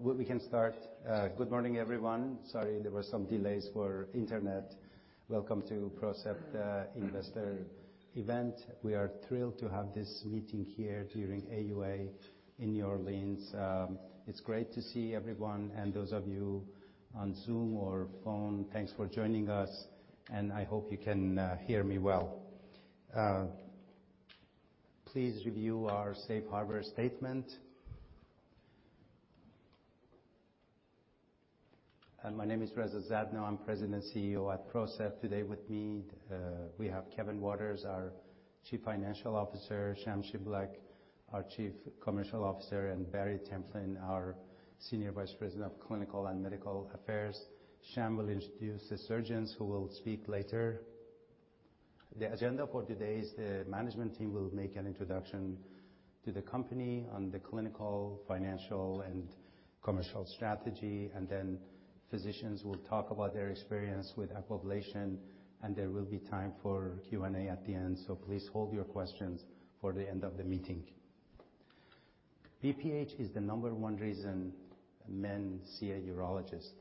We can start. Good morning, everyone. Sorry, there were some delays for internet. Welcome to PROCEPT Investor event. We are thrilled to have this meeting here during AUA in New Orleans. It's great to see everyone, and those of you on Zoom or phone, thanks for joining us, and I hope you can hear me well. Please review our safe harbor statement. My name is Reza Zadno, I'm President & CEO at PROCEPT. Today with me, we have Kevin Waters, our Chief Financial Officer, Sham Shiblaq, our Chief Commercial Officer, and Barry Templin, our Senior Vice President of Clinical and Medical Affairs. Sham will introduce the surgeons who will speak later. The agenda for today is the management team will make an introduction to the company on the clinical, financial, and commercial strategy, and then physicians will talk about their experience with Aquablation, and there will be time for Q&A at the end, so please hold your questions for the end of the meeting. BPH is the number one reason men see a urologist.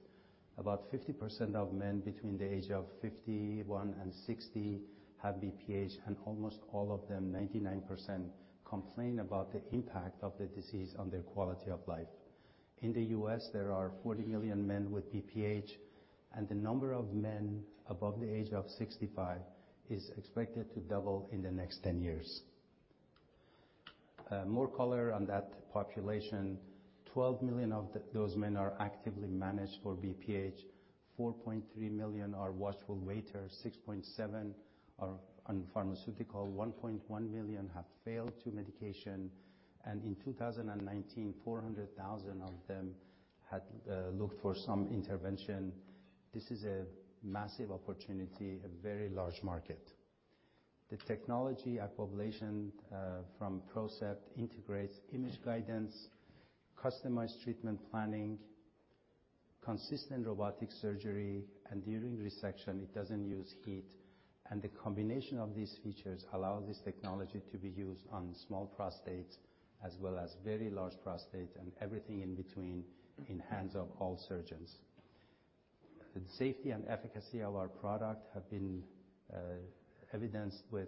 About 50% of men between the age of 51 and 60 have BPH, and almost all of them, 99%, complain about the impact of the disease on their quality of life. In the U.S., there are 40 million men with BPH, and the number of men above the age of 65 is expected to double in the next ten years. More color on that population. 12 million of those men are actively managed for BPH. 4.3 million are watchful waiters. 6.7 million are on pharmaceuticals. 1.1 million have failed medication. In 2019, 400,000 of them had looked for some intervention. This is a massive opportunity, a very large market. The technology Aquablation from PROCEPT integrates image guidance, customized treatment planning, consistent robotic surgery, and during resection, it doesn't use heat. The combination of these features allow this technology to be used on small prostates as well as very large prostates and everything in between in the hands of all surgeons. The safety and efficacy of our product have been evidenced with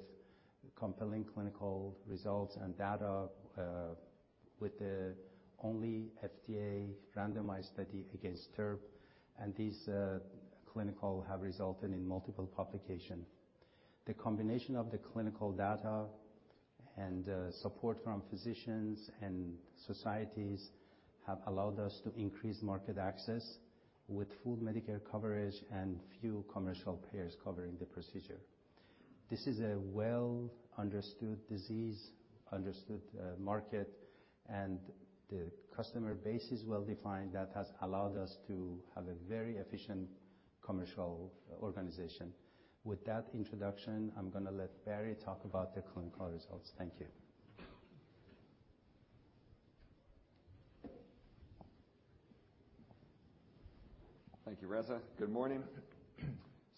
compelling clinical results and data with the only FDA randomized study against TURP, and these clinical have resulted in multiple publication. The combination of the clinical data and support from physicians and societies have allowed us to increase market access with full Medicare coverage and few commercial payers covering the procedure. This is a well-understood disease, market, and the customer base is well defined. That has allowed us to have a very efficient commercial organization. With that introduction, I'm gonna let Barry talk about the clinical results. Thank you. Thank you, Reza. Good morning.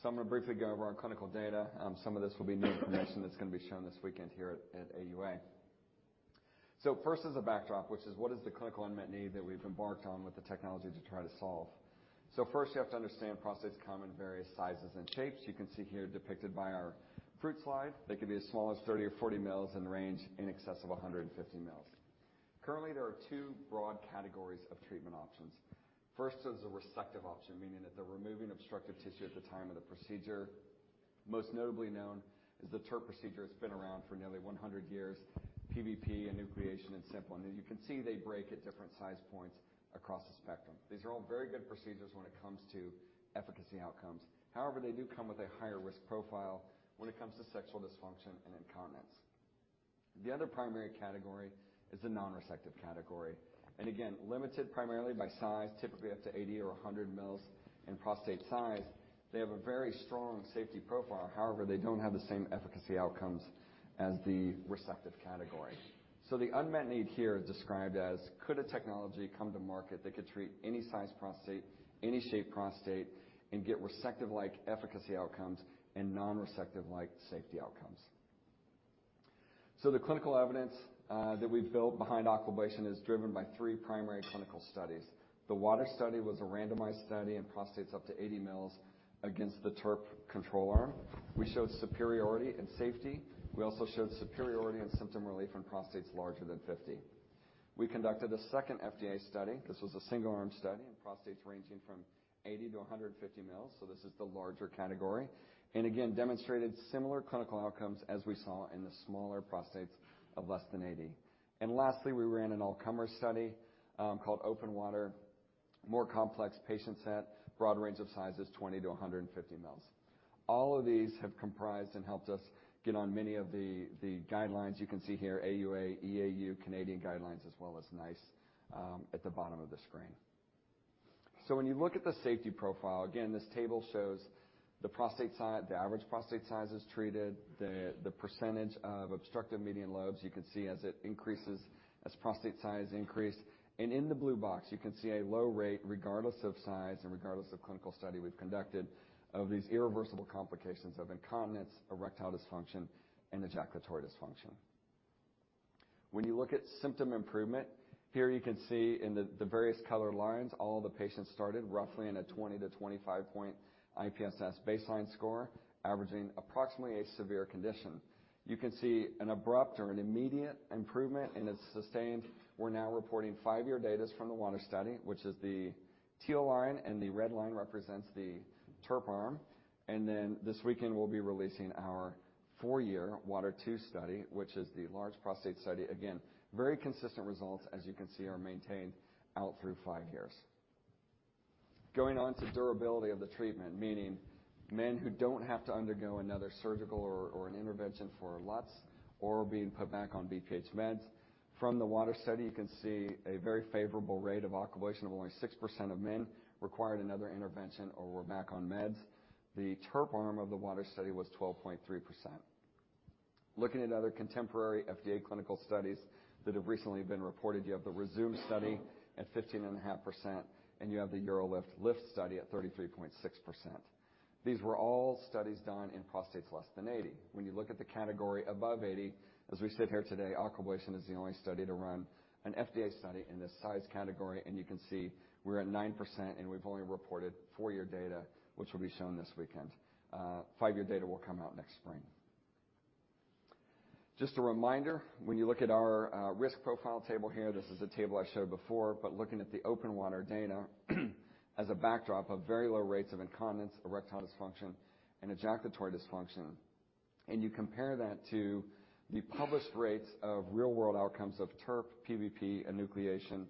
I'm gonna briefly go over our clinical data. Some of this will be new information that's gonna be shown this weekend here at AUA. First is a backdrop, which is what is the clinical unmet need that we've embarked on with the technology to try to solve. First, you have to understand prostates come in various sizes and shapes. You can see here depicted by our fruit slide. They could be as small as 30 or 40 mL and range in excess of 150 mL. Currently, there are two broad categories of treatment options. First is a resective option, meaning that they're removing obstructive tissue at the time of the procedure. Most notably known is the TURP procedure. It's been around for nearly 100 years, PVP, enucleation, and simple. As you can see, they break at different size points across the spectrum. These are all very good procedures when it comes to efficacy outcomes. However, they do come with a higher risk profile when it comes to sexual dysfunction and incontinence. The other primary category is the non-resective category, and again, limited primarily by size, typically up to 80 or 100 mL in prostate size. They have a very strong safety profile. However, they don't have the same efficacy outcomes as the resective category. The unmet need here is described as could a technology come to market that could treat any size prostate, any shape prostate, and get resective-like efficacy outcomes and non-resective-like safety outcomes. The clinical evidence that we've built behind Aquablation is driven by three primary clinical studies. The WATER study was a randomized study in prostates up to 80 mL against the TURP control arm. We showed superiority in safety. We also showed superiority in symptom relief in prostates larger than 50. We conducted a second FDA study. This was a single-arm study in prostates ranging from 80 to 150 mL, so this is the larger category. We again demonstrated similar clinical outcomes as we saw in the smaller prostates of less than 80. Lastly, we ran an all-comer study called OPEN WATER. More complex patient set, broad range of sizes, 20 to 150 mL. All of these have comprised and helped us get on many of the guidelines. You can see here AUA, EAU, Canadian guidelines as well as NICE at the bottom of the screen. When you look at the safety profile, again, this table shows the average prostate sizes treated, the percentage of obstructive median lobes. You can see as it increases, as prostate size increased. In the blue box, you can see a low rate regardless of size and regardless of clinical study we've conducted of these irreversible complications of incontinence, erectile dysfunction, and ejaculatory dysfunction. When you look at symptom improvement, here you can see in the various color lines, all the patients started roughly in a 20-25 point IPSS baseline score, averaging approximately a severe condition. You can see an abrupt or an immediate improvement, and it's sustained. We're now reporting five-year data from the WATER study, which is the teal line, and the red line represents the TURP arm. This weekend we'll be releasing our four-year WATER II study, which is the large prostate study. Again, very consistent results as you can see are maintained out through five years. Going on to durability of the treatment, meaning men who don't have to undergo another surgical or an intervention for LUTS or being put back on BPH meds. From the WATER study, you can see a very favorable rate of Aquablation of only 6% of men required another intervention or were back on meds. The TURP arm of the WATER study was 12.3%. Looking at other contemporary FDA clinical studies that have recently been reported, you have the Rezūm study at 15.5%, and you have the UroLift L.I.F.T. study at 33.6%. These were all studies done in prostates less than 80. When you look at the category above 80, as we sit here today, Aquablation is the only study to run an FDA study in this size category. You can see we're at 9% and we've only reported four-year data, which will be shown this weekend. Five-year data will come out next spring. Just a reminder, when you look at our risk profile table here, this is a table I showed before, but looking at the OPEN WATER data as a backdrop of very low rates of incontinence, erectile dysfunction, and ejaculatory dysfunction, and you compare that to the published rates of real world outcomes of TURP, PVP, enucleation,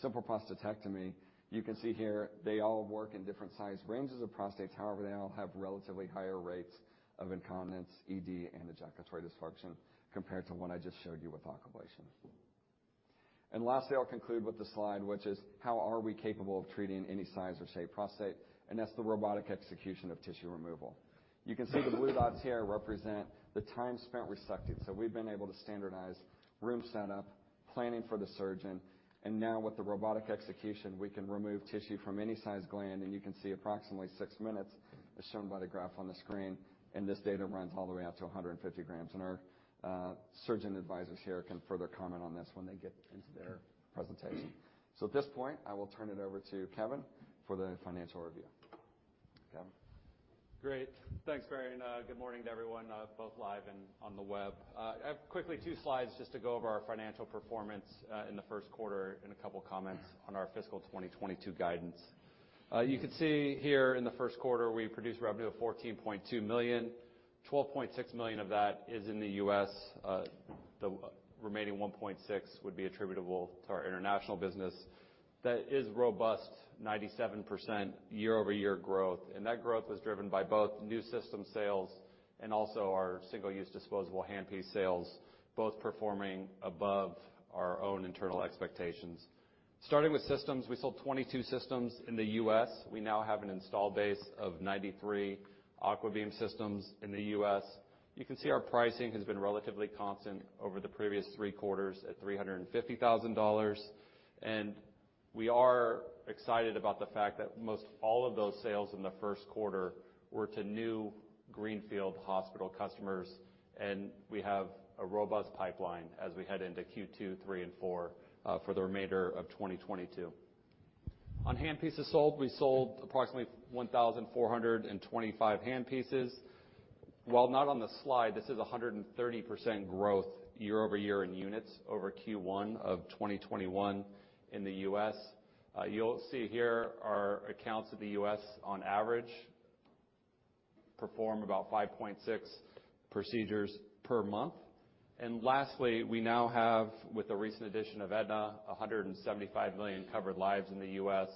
simple prostatectomy, you can see here they all work in different size ranges of prostates, however, they all have relatively higher rates of incontinence, ED, and ejaculatory dysfunction compared to what I just showed you with Aquablation. Lastly, I'll conclude with this slide, which is how are we capable of treating any size or shape prostate, and that's the robotic execution of tissue removal. You can see the blue dots here represent the time spent resecting. We've been able to standardize room setup, planning for the surgeon, and now with the robotic execution, we can remove tissue from any size gland, and you can see approximately 6 minutes as shown by the graph on the screen, and this data runs all the way out to 150 grams. Our surgeon advisors here can further comment on this when they get into their presentation. At this point, I will turn it over to Kevin for the financial review. Kevin? Great. Thanks, Barry, and good morning to everyone, both live and on the web. I have quickly two slides just to go over our financial performance in the first quarter and a couple comments on our fiscal 2022 guidance. You can see here in the first quarter, we produced revenue of $14.2 million. $12.6 million of that is in the US. The remaining $1.6 million would be attributable to our international business. That is robust, 97% year-over-year growth, and that growth was driven by both new system sales and also our single-use disposable handpiece sales, both performing above our own internal expectations. Starting with systems, we sold 22 systems in the U.S.. We now have an installed base of 93 AquaBeam systems in the U.S. You can see our pricing has been relatively constant over the previous three quarters at $350,000. We are excited about the fact that most all of those sales in the first quarter were to new greenfield hospital customers, and we have a robust pipeline as we head into Q2, Q3, and Q4 for the remainder of 2022. On handpieces sold, we sold approximately 1,425 handpieces. While not on the slide, this is 130% growth year-over-year in units over Q1 of 2021 in the US. You'll see here our accounts in the U.S. on average perform about 5.6 procedures per month. Lastly, we now have, with the recent addition of Aetna, 175 million covered lives in the U.S.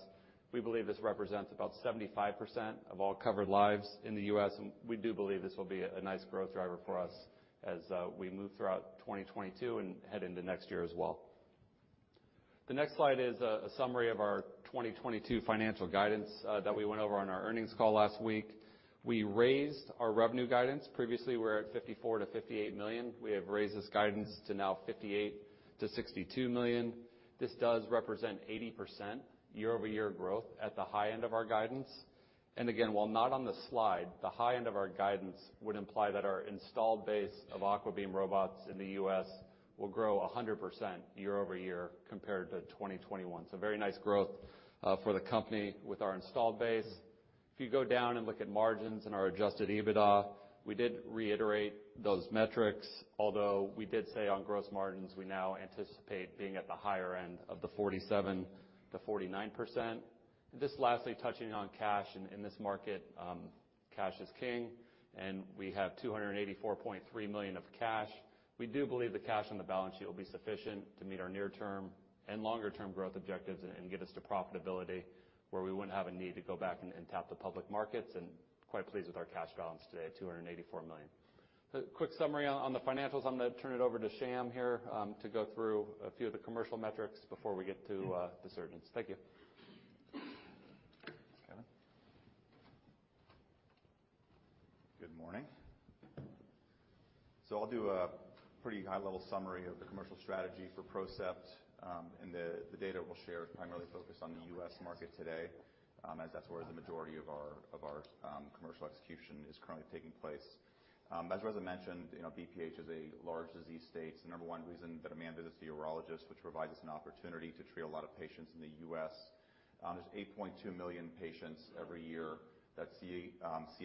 We believe this represents about 75% of all covered lives in the U.S., and we do believe this will be a nice growth driver for us as we move throughout 2022 and head into next year as well. The next slide is a summary of our 2022 financial guidance that we went over on our earnings call last week. We raised our revenue guidance. Previously, we were at $54 million-$58 million. We have raised this guidance to now $58 million-$62 million. This does represent 80% year-over-year growth at the high end of our guidance. Again, while not on the slide, the high end of our guidance would imply that our installed base of AquaBeam robots in the U.S. will grow 100% year-over-year compared to 2021. Very nice growth for the company with our installed base. If you go down and look at margins and our adjusted EBITDA, we did reiterate those metrics, although we did say on gross margins, we now anticipate being at the higher end of the 47%-49%. Just lastly, touching on cash in this market, cash is king, and we have $284.3 million of cash. We do believe the cash on the balance sheet will be sufficient to meet our near term and longer term growth objectives and get us to profitability where we wouldn't have a need to go back and tap the public markets, and quite pleased with our cash balance today at $284 million. A quick summary on the financials. I'm gonna turn it over to Sham here, to go through a few of the commercial metrics before we get to the surgeons. Thank you. Thanks, Kevin. Good morning. I'll do a pretty high-level summary of the commercial strategy. For PROCEPT, and the data we'll share is primarily focused on the U.S. market today, as that's where the majority of our commercial execution is currently taking place. As Reza mentioned, you know, BPH is a large disease state. It's the number one reason that a man visits the urologist, which provides us an opportunity to treat a lot of patients in the U.S. There's 8.2 million patients every year that see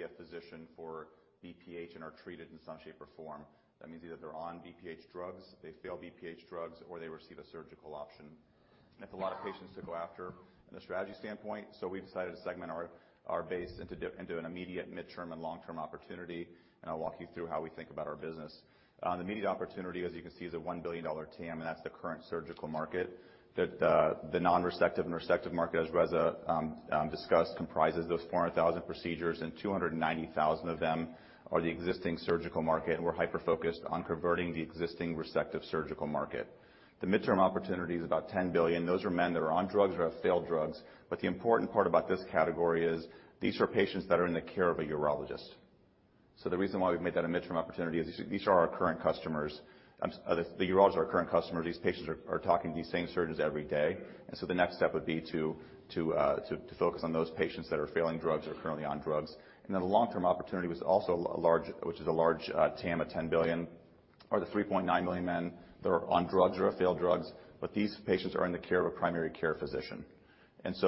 a physician for BPH and are treated in some shape or form. That means either they're on BPH drugs, they fail BPH drugs, or they receive a surgical option. It's a lot of patients to go after from a strategy standpoint. We've decided to segment our base into an immediate, midterm, and long-term opportunity, and I'll walk you through how we think about our business. The immediate opportunity, as you can see, is a $1 billion TAM, and that's the current surgical market. The non-resective and resective market, as Reza discussed, comprises those 400,000 procedures, and 290,000 of them are the existing surgical market, and we're hyper-focused on converting the existing resective surgical market. The midterm opportunity is about $10 billion. Those are men that are on drugs or have failed drugs, but the important part about this category is these are patients that are in the care of a urologist. The reason why we've made that a midterm opportunity is these are our current customers. The urologists are our current customers. These patients are talking to these same surgeons every day. The next step would be to focus on those patients that are failing drugs or are currently on drugs. The long-term opportunity is also a large TAM of $10 billion, the 3.9 million men that are on drugs or have failed drugs, but these patients are in the care of a primary care physician. That's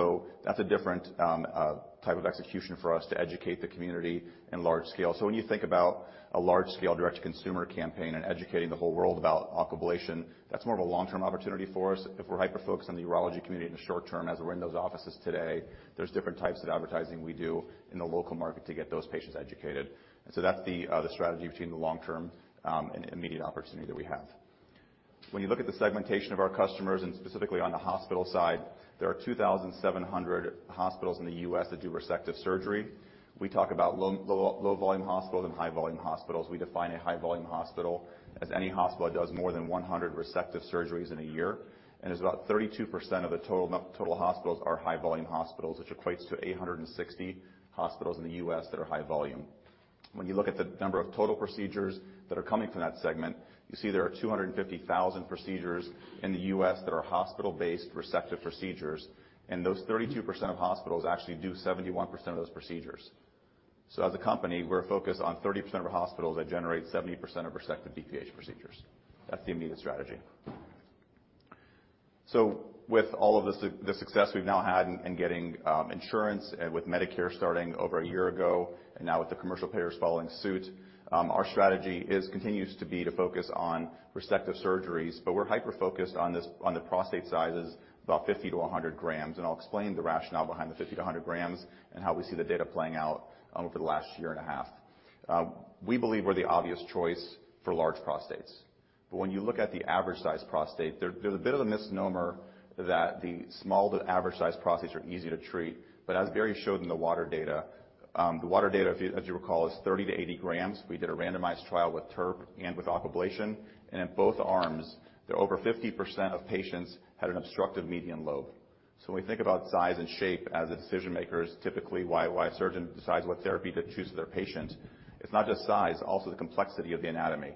a different type of execution for us to educate the community in large scale. When you think about a large scale direct to consumer campaign and educating the whole world about Aquablation, that's more of a long-term opportunity for us. If we're hyper-focused on the urology community in the short term, as we're in those offices today, there's different types of advertising we do in the local market to get those patients educated. That's the strategy between the long-term and immediate opportunity that we have. When you look at the segmentation of our customers, and specifically on the hospital side, there are 2,700 hospitals in the U.S. that do resective surgery. We talk about low volume hospitals and high volume hospitals. We define a high volume hospital as any hospital that does more than 100 resective surgeries in a year. It's about 32% of the total hospitals are high volume hospitals, which equates to 860 hospitals in the U.S. that are high volume. When you look at the number of total procedures that are coming from that segment, you see there are 250,000 procedures in the U.S. that are hospital-based resective procedures, and those 32% of hospitals actually do 71% of those procedures. As a company, we're focused on 30% of the hospitals that generate 70% of resective BPH procedures. That's the immediate strategy. With all of the success we've now had in getting insurance and with Medicare starting over a year ago and now with the commercial payers following suit, our strategy continues to be to focus on resective surgeries, but we're hyper-focused on the prostate sizes about 50-100 grams, and I'll explain the rationale behind the 50-100 grams and how we see the data playing out over the last year and a half. We believe we're the obvious choice for large prostates, but when you look at the average size prostate, there's a bit of a misnomer that the small to average size prostates are easy to treat. As Barry showed in the WATER data, if you recall, is 30-80 grams. We did a randomized trial with TURP and with Aquablation, and in both arms, there were over 50% of patients had an obstructive median lobe. When we think about size and shape as the decision makers, typically why a surgeon decides what therapy to choose for their patient, it's not just size, also the complexity of the anatomy.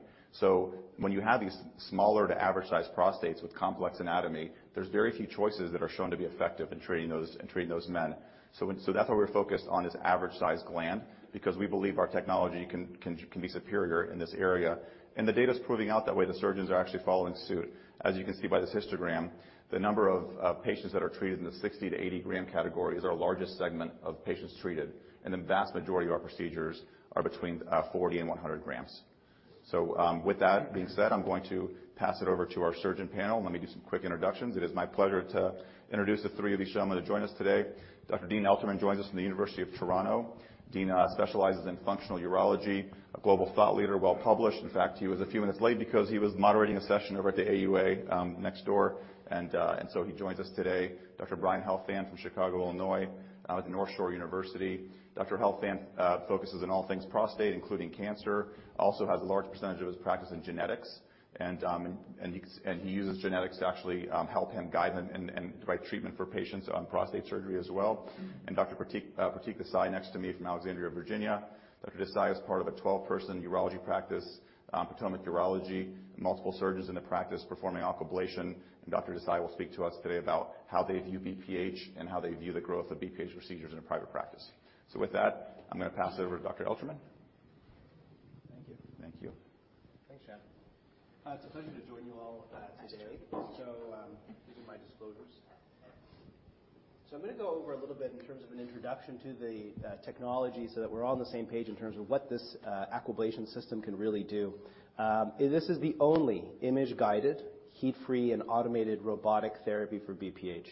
When you have these smaller to average size prostates with complex anatomy, there's very few choices that are shown to be effective in treating those men. That's why we're focused on this average size gland because we believe our technology can be superior in this area. The data's proving out that way. The surgeons are actually following suit. As you can see by this histogram, the number of patients that are treated in the 60-80 gram category is our largest segment of patients treated, and the vast majority of our procedures are between 40 and 100 grams. With that being said, I'm going to pass it over to our surgeon panel. Let me do some quick introductions. It is my pleasure to introduce the three of these gentlemen to join us today. Dr. Dean Elterman joins us from the University of Toronto. Dean specializes in functional urology, a global thought leader, well-published. In fact, he was a few minutes late because he was moderating a session over at the AUA next door and so he joins us today. Dr. Brian Helfand from Chicago, Illinois, with NorthShore University. Dr. Helfand focuses on all things prostate, including cancer, also has a large percentage of his practice in genetics and he uses genetics to actually help him guide him and provide treatment for patients on prostate surgery as well. Dr. Pratik Desai next to me from Alexandria, Virginia. Dr. Desai is part of a 12-person urology practice, Potomac Urology, multiple surgeons in the practice performing Aquablation, and Dr. Desai will speak to us today about how they view BPH and how they view the growth of BPH procedures in a private practice. With that, I'm gonna pass it over to Dr. Elterman. Thank you. Thank you. Thanks, Sham. It's a pleasure to join you all, today. These are my disclosures. I'm gonna go over a little bit in terms of an introduction to the technology so that we're all on the same page in terms of what this Aquablation system can really do. This is the only image-guided, heat-free, and automated robotic therapy for BPH.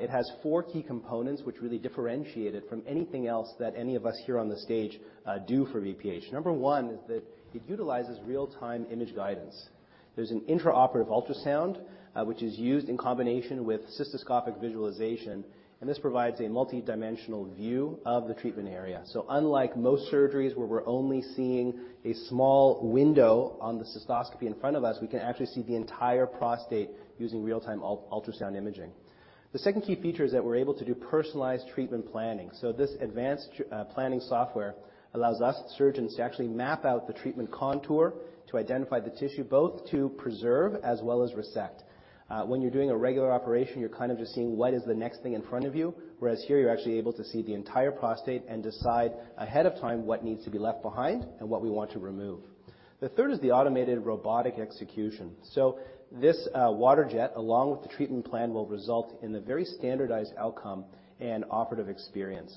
It has four key components which really differentiate it from anything else that any of us here on the stage do for BPH. Number one is that it utilizes real-time image guidance. There's an intraoperative ultrasound which is used in combination with cystoscopic visualization, and this provides a multidimensional view of the treatment area. Unlike most surgeries where we're only seeing a small window on the cystoscopy in front of us, we can actually see the entire prostate using real-time ultrasound imaging. The second key feature is that we're able to do personalized treatment planning. This advanced planning software allows us surgeons to actually map out the treatment contour to identify the tissue both to preserve as well as resect. When you're doing a regular operation, you're kind of just seeing what is the next thing in front of you, whereas here you're actually able to see the entire prostate and decide ahead of time what needs to be left behind and what we want to remove. The third is the automated robotic execution. This water jet, along with the treatment plan, will result in a very standardized outcome and operative experience.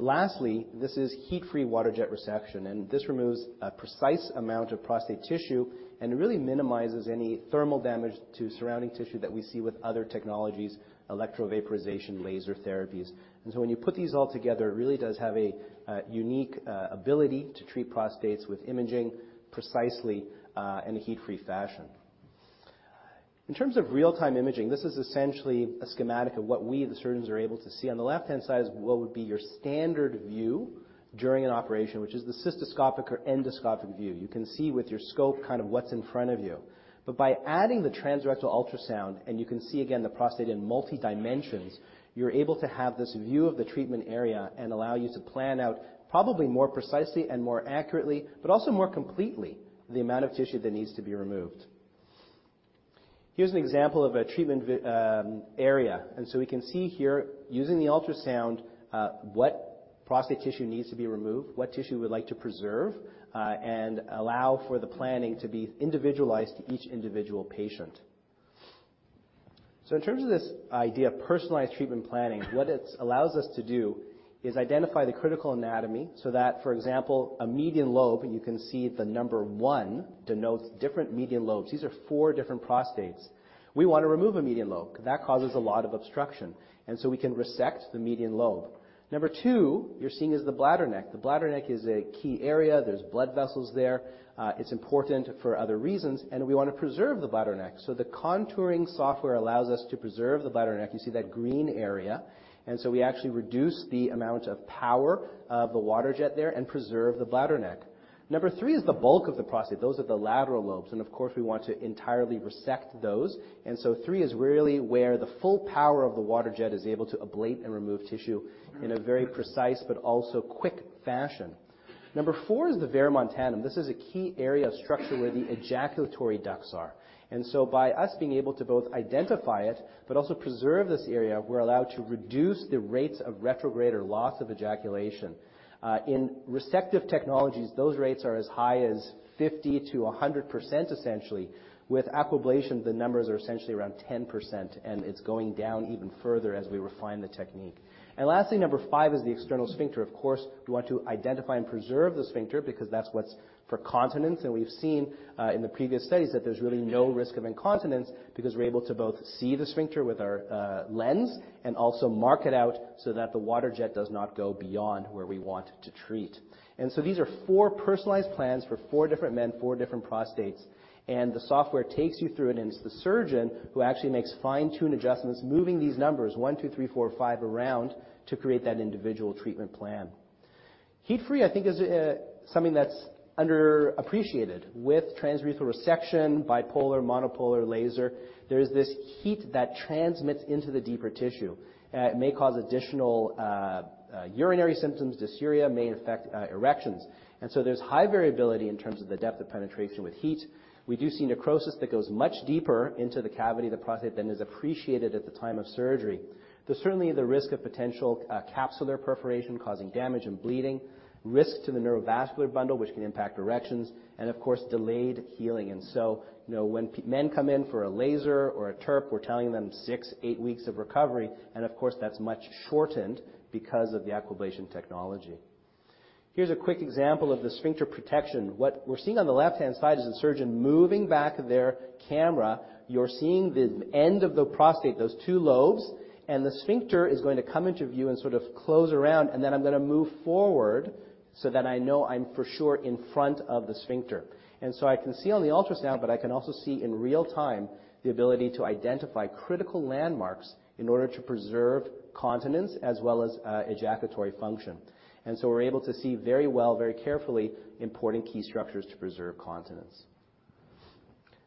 Lastly, this is heat-free water jet resection, and this removes a precise amount of prostate tissue and really minimizes any thermal damage to surrounding tissue that we see with other technologies, electrovaporization, laser therapies. When you put these all together, it really does have a unique ability to treat prostates with imaging precisely in a heat-free fashion. In terms of real-time imaging, this is essentially a schematic of what we, the surgeons, are able to see. On the left-hand side is what would be your standard view during an operation, which is the cystoscopic or endoscopic view. You can see with your scope kind of what's in front of you. By adding the transrectal ultrasound, and you can see again the prostate in multi-dimensions, you're able to have this view of the treatment area and allow you to plan out probably more precisely and more accurately, but also more completely, the amount of tissue that needs to be removed. Here's an example of a treatment area. We can see here, using the ultrasound, what prostate tissue needs to be removed, what tissue we'd like to preserve, and allow for the planning to be individualized to each individual patient. In terms of this idea of personalized treatment planning, what it allows us to do is identify the critical anatomy so that, for example, a median lobe, and you can see the number one denotes different median lobes. These are four different prostates. We want to remove a median lobe. That causes a lot of obstruction. We can resect the median lobe. Number two you're seeing is the bladder neck. The bladder neck is a key area. There's blood vessels there. It's important for other reasons, and we want to preserve the bladder neck. The contouring software allows us to preserve the bladder neck. You see that green area. We actually reduce the amount of power of the water jet there and preserve the bladder neck. Number three is the bulk of the prostate. Those are the lateral lobes, and of course, we want to entirely resect those. Three is really where the full power of the water jet is able to ablate and remove tissue in a very precise but also quick fashion. Number four is the verumontanum. This is a key area of structure where the ejaculatory ducts are. By us being able to both identify it, but also preserve this area, we're allowed to reduce the rates of retrograde or loss of ejaculation. In resective technologies, those rates are as high as 50%-100% essentially. With Aquablation, the numbers are essentially around 10%, and it's going down even further as we refine the technique. Lastly, number five is the external sphincter. Of course, we want to identify and preserve the sphincter because that's what's for continence. We've seen in the previous studies that there's really no risk of incontinence because we're able to both see the sphincter with our lens and also mark it out so that the water jet does not go beyond where we want to treat. These are four personalized plans for four different men, four different prostates. The software takes you through it, and it's the surgeon who actually makes fine-tune adjustments, moving these numbers 1, 2, 3, 4, 5 around to create that individual treatment plan. Heat-free, I think, is something that's underappreciated. With transurethral resection, bipolar, monopolar laser, there is this heat that transmits into the deeper tissue. It may cause additional urinary symptoms, dysuria, may affect erections. There's high variability in terms of the depth of penetration with heat. We do see necrosis that goes much deeper into the cavity of the prostate than is appreciated at the time of surgery. There's certainly the risk of potential capsular perforation causing damage and bleeding, risk to the neurovascular bundle, which can impact erections, and of course, delayed healing. You know, when men come in for a laser or a TURP, we're telling them 6-8 weeks of recovery, and of course, that's much shortened because of the Aquablation technology. Here's a quick example of the sphincter protection. What we're seeing on the left-hand side is the surgeon moving back their camera. You're seeing the end of the prostate, those two lobes, and the sphincter is going to come into view and sort of close around, and then I'm gonna move forward so that I know I'm for sure in front of the sphincter. I can see on the ultrasound, but I can also see in real time the ability to identify critical landmarks in order to preserve continence as well as ejaculatory function. We're able to see very well, very carefully, important key structures to preserve continence.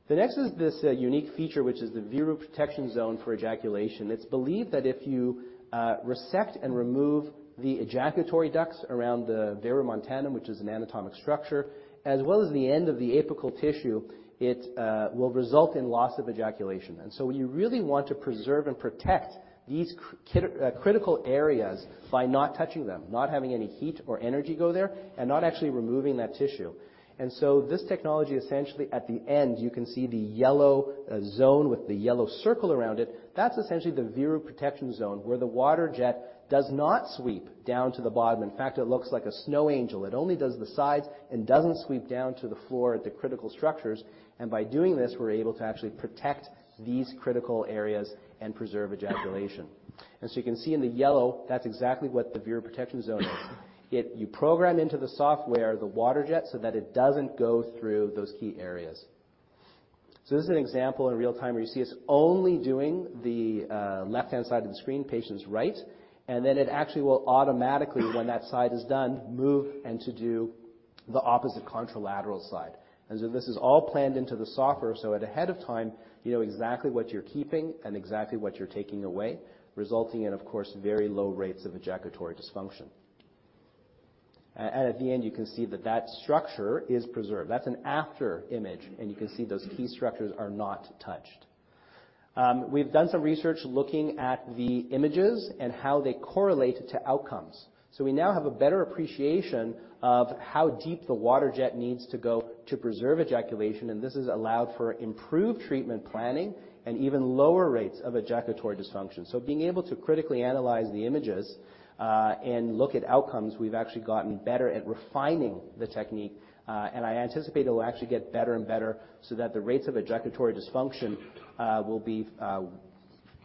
The next is this, unique feature, which is the veru protection zone for ejaculation. It's believed that if you, resect and remove the ejaculatory ducts around the verumontanum, which is an anatomic structure, as well as the end of the apical tissue, it, will result in loss of ejaculation. You really want to preserve and protect these critical areas by not touching them, not having any heat or energy go there, and not actually removing that tissue. This technology, essentially at the end, you can see the yellow, zone with the yellow circle around it. That's essentially the veru protection zone where the water jet does not sweep down to the bottom. In fact, it looks like a snow angel. It only does the sides and doesn't sweep down to the floor at the critical structures. By doing this, we're able to actually protect these critical areas and preserve ejaculation. You can see in the yellow, that's exactly what the veru protection zone is. You program into the software the water jet so that it doesn't go through those key areas. This is an example in real time where you see us only doing the left-hand side of the screen, patient's right, and then it actually will automatically, when that side is done, move and to do the opposite contralateral side. This is all planned into the software, so ahead of time, you know exactly what you're keeping and exactly what you're taking away, resulting in, of course, very low rates of ejaculatory dysfunction. At the end, you can see that that structure is preserved. That's an after image, and you can see those key structures are not touched. We've done some research looking at the images and how they correlate to outcomes. We now have a better appreciation of how deep the water jet needs to go to preserve ejaculation, and this has allowed for improved treatment planning and even lower rates of ejaculatory dysfunction. Being able to critically analyze the images and look at outcomes, we've actually gotten better at refining the technique. I anticipate it will actually get better and better so that the rates of ejaculatory dysfunction will be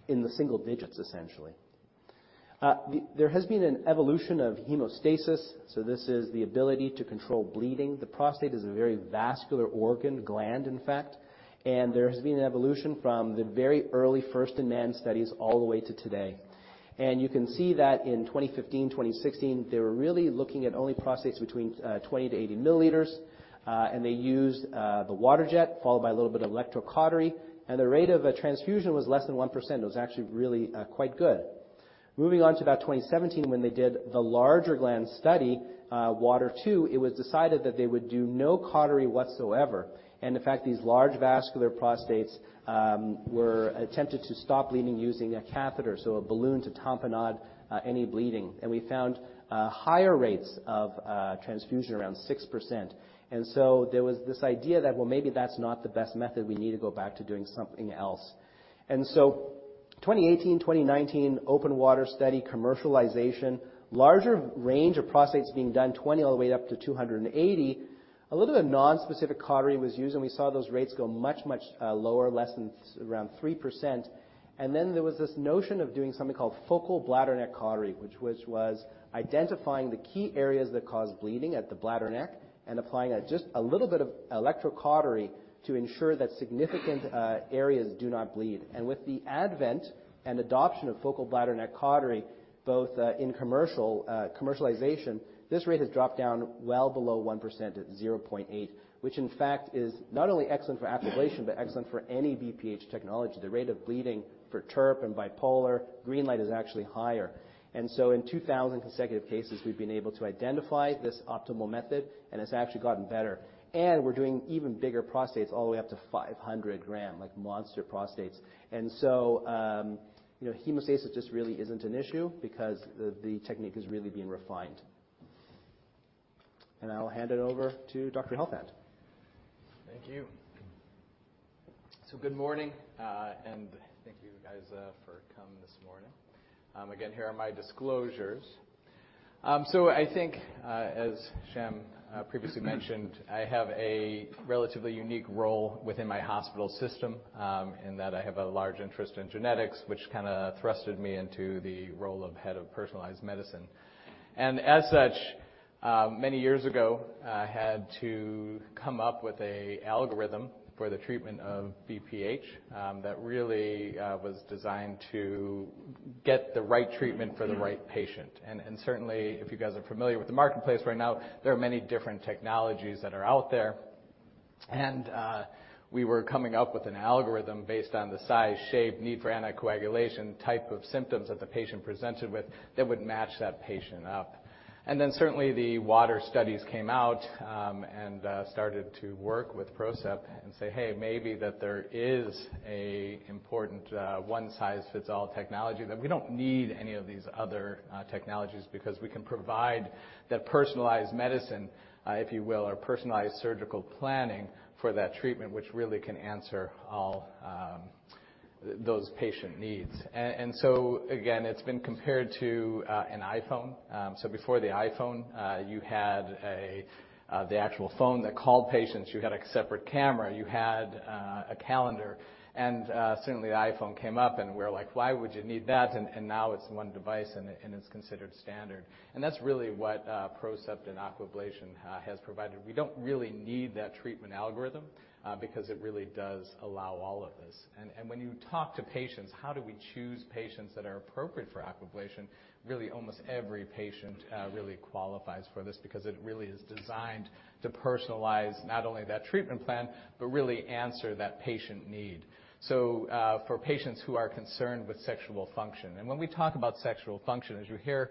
in the single digits essentially. There has been an evolution of hemostasis, so this is the ability to control bleeding. The prostate is a very vascular organ, gland in fact, and there has been an evolution from the very early first-in-man studies all the way to today. You can see that in 2015, 2016, they were really looking at only prostates between 20-80 milliliters. They used the water jet followed by a little bit of electrocautery, and the rate of a transfusion was less than 1%. It was actually really quite good. Moving on to about 2017 when they did the larger gland study, WATER II, it was decided that they would do no cautery whatsoever. In fact, these large vascular prostates were attempted to stop bleeding using a catheter, so a balloon to tamponade any bleeding. We found higher rates of transfusion around 6%. There was this idea that, well, maybe that's not the best method, we need to go back to doing something else. 2018, 2019, OPEN WATER study commercialization, larger range of prostates being done, 20 all the way up to 280. A little bit of nonspecific cautery was used, and we saw those rates go much lower, less than around 3%. There was this notion of doing something called focal bladder neck cautery, which was identifying the key areas that cause bleeding at the bladder neck and applying just a little bit of electrocautery to ensure that significant areas do not bleed. With the advent and adoption of focal bladder neck cautery, both in commercialization, this rate has dropped down well below 1% at 0.8%, which in fact is not only excellent for Aquablation but excellent for any BPH technology. The rate of bleeding for TURP and bipolar GreenLight is actually higher. In 2,000 consecutive cases, we've been able to identify this optimal method, and it's actually gotten better. We're doing even bigger prostates all the way up to 500-gram, like monster prostates. You know, hemostasis just really isn't an issue because the technique has really been refined. I'll hand it over to Dr. Helfand. Thank you. Good morning, and thank you guys for coming this morning. Again, here are my disclosures. I think, as Sham previously mentioned, I have a relatively unique role within my hospital system, in that I have a large interest in genetics which kinda thrusted me into the role of head of personalized medicine. As such, many years ago, I had to come up with a algorithm for the treatment of BPH, that really was designed to get the right treatment for the right patient. Certainly, if you guys are familiar with the marketplace right now, there are many different technologies that are out there. We were coming up with an algorithm based on the size, shape, need for anticoagulation, type of symptoms that the patient presented with that would match that patient up. Certainly the WATER studies came out, and started to work with PROCEPT and say, "Hey, maybe that there is a important, one-size-fits-all technology, that we don't need any of these other, technologies because we can provide that personalized medicine, if you will, or personalized surgical planning for that treatment, which really can answer all, those patient needs." Again, it's been compared to, an iPhone. Before the iPhone, you had a, the actual phone that called patients. You had a separate camera. You had, a calendar. Certainly, the iPhone came up, and we were like, "Why would you need that?" Now it's one device, and it's considered standard. That's really what PROCEPT and Aquablation has provided. We don't really need that treatment algorithm because it really does allow all of this. When you talk to patients, how do we choose patients that are appropriate for Aquablation? Really, almost every patient really qualifies for this because it really is designed to personalize not only that treatment plan but really answer that patient need. For patients who are concerned with sexual function, and when we talk about sexual function, as you hear,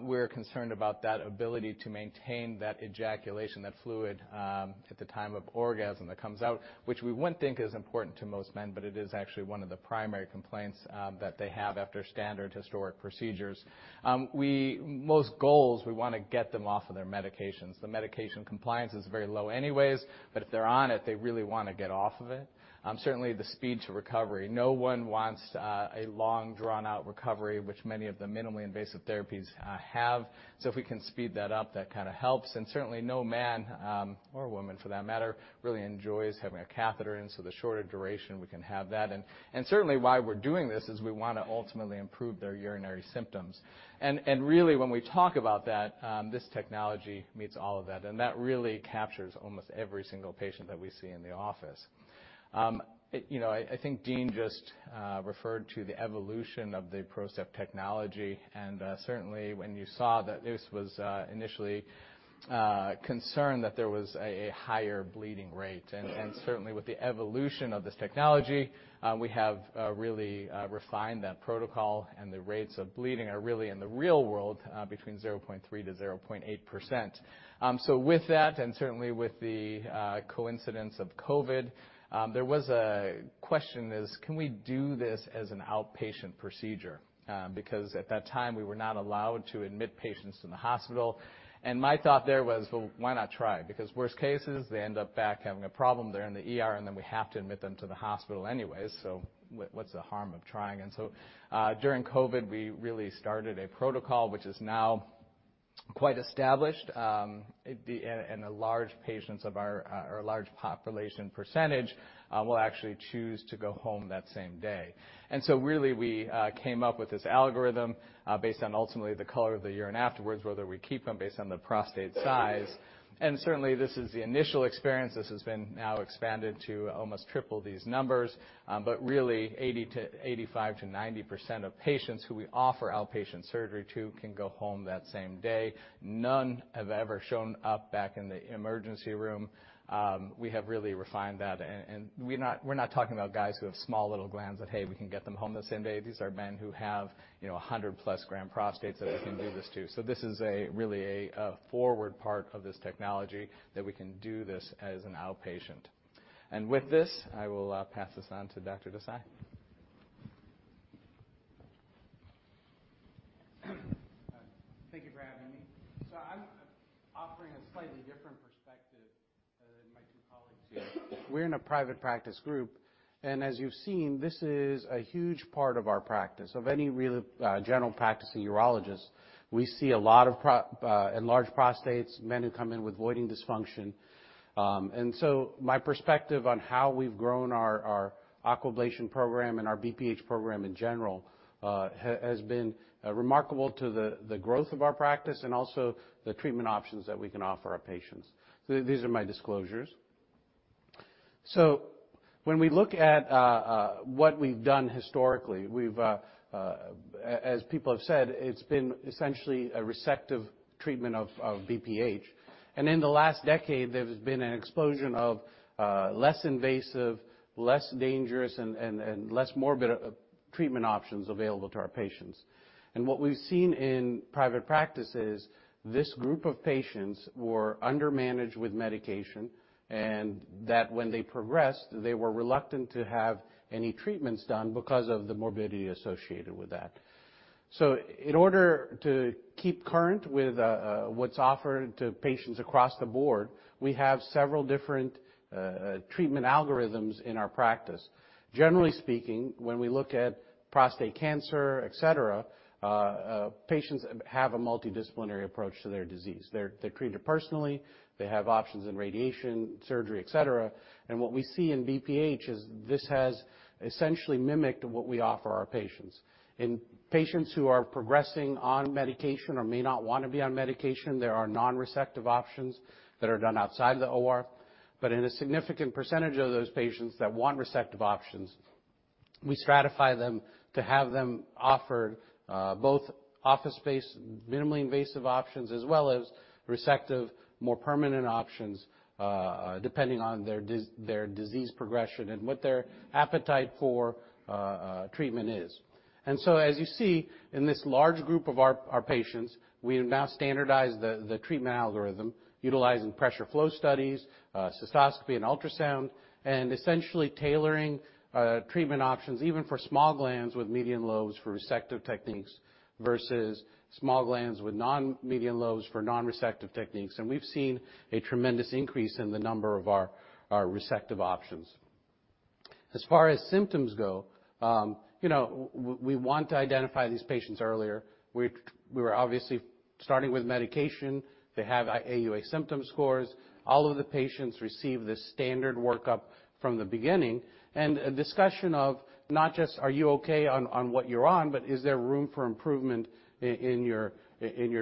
we're concerned about that ability to maintain that ejaculation, that fluid, at the time of orgasm that comes out, which we wouldn't think is important to most men, but it is actually one of the primary complaints, that they have after standard historic procedures. Most goals, we wanna get them off of their medications. The medication compliance is very low anyways. If they're on it, they really wanna get off of it. Certainly the speed to recovery. No one wants a long drawn-out recovery, which many of the minimally invasive therapies have. If we can speed that up, that kinda helps. Certainly, no man or woman for that matter, really enjoys having a catheter in. The shorter duration, we can have that. Certainly why we're doing this is we wanna ultimately improve their urinary symptoms. Really when we talk about that, this technology meets all of that. That really captures almost every single patient that we see in the office. You know, I think Dean just referred to the evolution of the PROCEPT technology. Certainly, when you saw that this was initially concerned that there was a higher bleeding rate. Certainly with the evolution of this technology, we have really refined that protocol, and the rates of bleeding are really in the real world between 0.3%-0.8%. With that and certainly with the coincidence of COVID, there was a question: can we do this as an outpatient procedure? Because at that time, we were not allowed to admit patients in the hospital. My thought there was, "Well, why not try?" Because worst cases, they end up back having a problem, they're in the ER, and then we have to admit them to the hospital anyway, so what's the harm of trying? During COVID, we really started a protocol which is now quite established, and a large percentage of our patient population will actually choose to go home that same day. Really, we came up with this algorithm based on ultimately the color of the urine afterwards, whether we keep them based on the prostate size. Certainly, this is the initial experience. This has been now expanded to almost triple these numbers. But really 80% to 85% to 90% of patients who we offer outpatient surgery to can go home that same day. None have ever shown up back in the emergency room. We have really refined that and we're not talking about guys who have small little glands that, "Hey, we can get them home the same day." These are men who have, you know, 100+ gram prostates that we can do this to. This is really a forward part of this technology that we can do this as an outpatient. With this, I will pass this on to Dr. Desai. Thank you for having me. I'm offering a slightly different perspective than my two colleagues here. We're in a private practice group, and as you've seen, this is a huge part of our practice. Of any really general practicing urologist, we see a lot of enlarged prostates, men who come in with voiding dysfunction. My perspective on how we've grown our Aquablation program and our BPH program in general has been remarkable to the growth of our practice and also the treatment options that we can offer our patients. These are my disclosures. When we look at what we've done historically, we've as people have said, it's been essentially a resective treatment of BPH. In the last decade, there has been an explosion of less invasive, less dangerous, and less morbid treatment options available to our patients. What we've seen in private practice is this group of patients were under-managed with medication, and that when they progressed, they were reluctant to have any treatments done because of the morbidity associated with that. In order to keep current with what's offered to patients across the board, we have several different treatment algorithms in our practice. Generally speaking, when we look at prostate cancer, et cetera, patients have a multidisciplinary approach to their disease. They treat it personally. They have options in radiation, surgery, et cetera. What we see in BPH is this has essentially mimicked what we offer our patients. In patients who are progressing on medication or may not wanna be on medication, there are non-resective options that are done outside the OR. In a significant percentage of those patients that want resective options, we stratify them to have them offered, both office-based, minimally invasive options as well as resective, more permanent options, depending on their disease progression and what their appetite for treatment is. As you see in this large group of our patients, we have now standardized the treatment algorithm utilizing pressure flow studies, cystoscopy and ultrasound, and essentially tailoring treatment options even for small glands with median lobes for resective techniques versus small glands with non-median lobes for non-resective techniques. We've seen a tremendous increase in the number of our resective options. As far as symptoms go, you know, we want to identify these patients earlier. We're obviously starting with medication. They have AUA symptom scores. All of the patients receive the standard workup from the beginning and a discussion of not just are you okay on what you're on, but is there room for improvement in your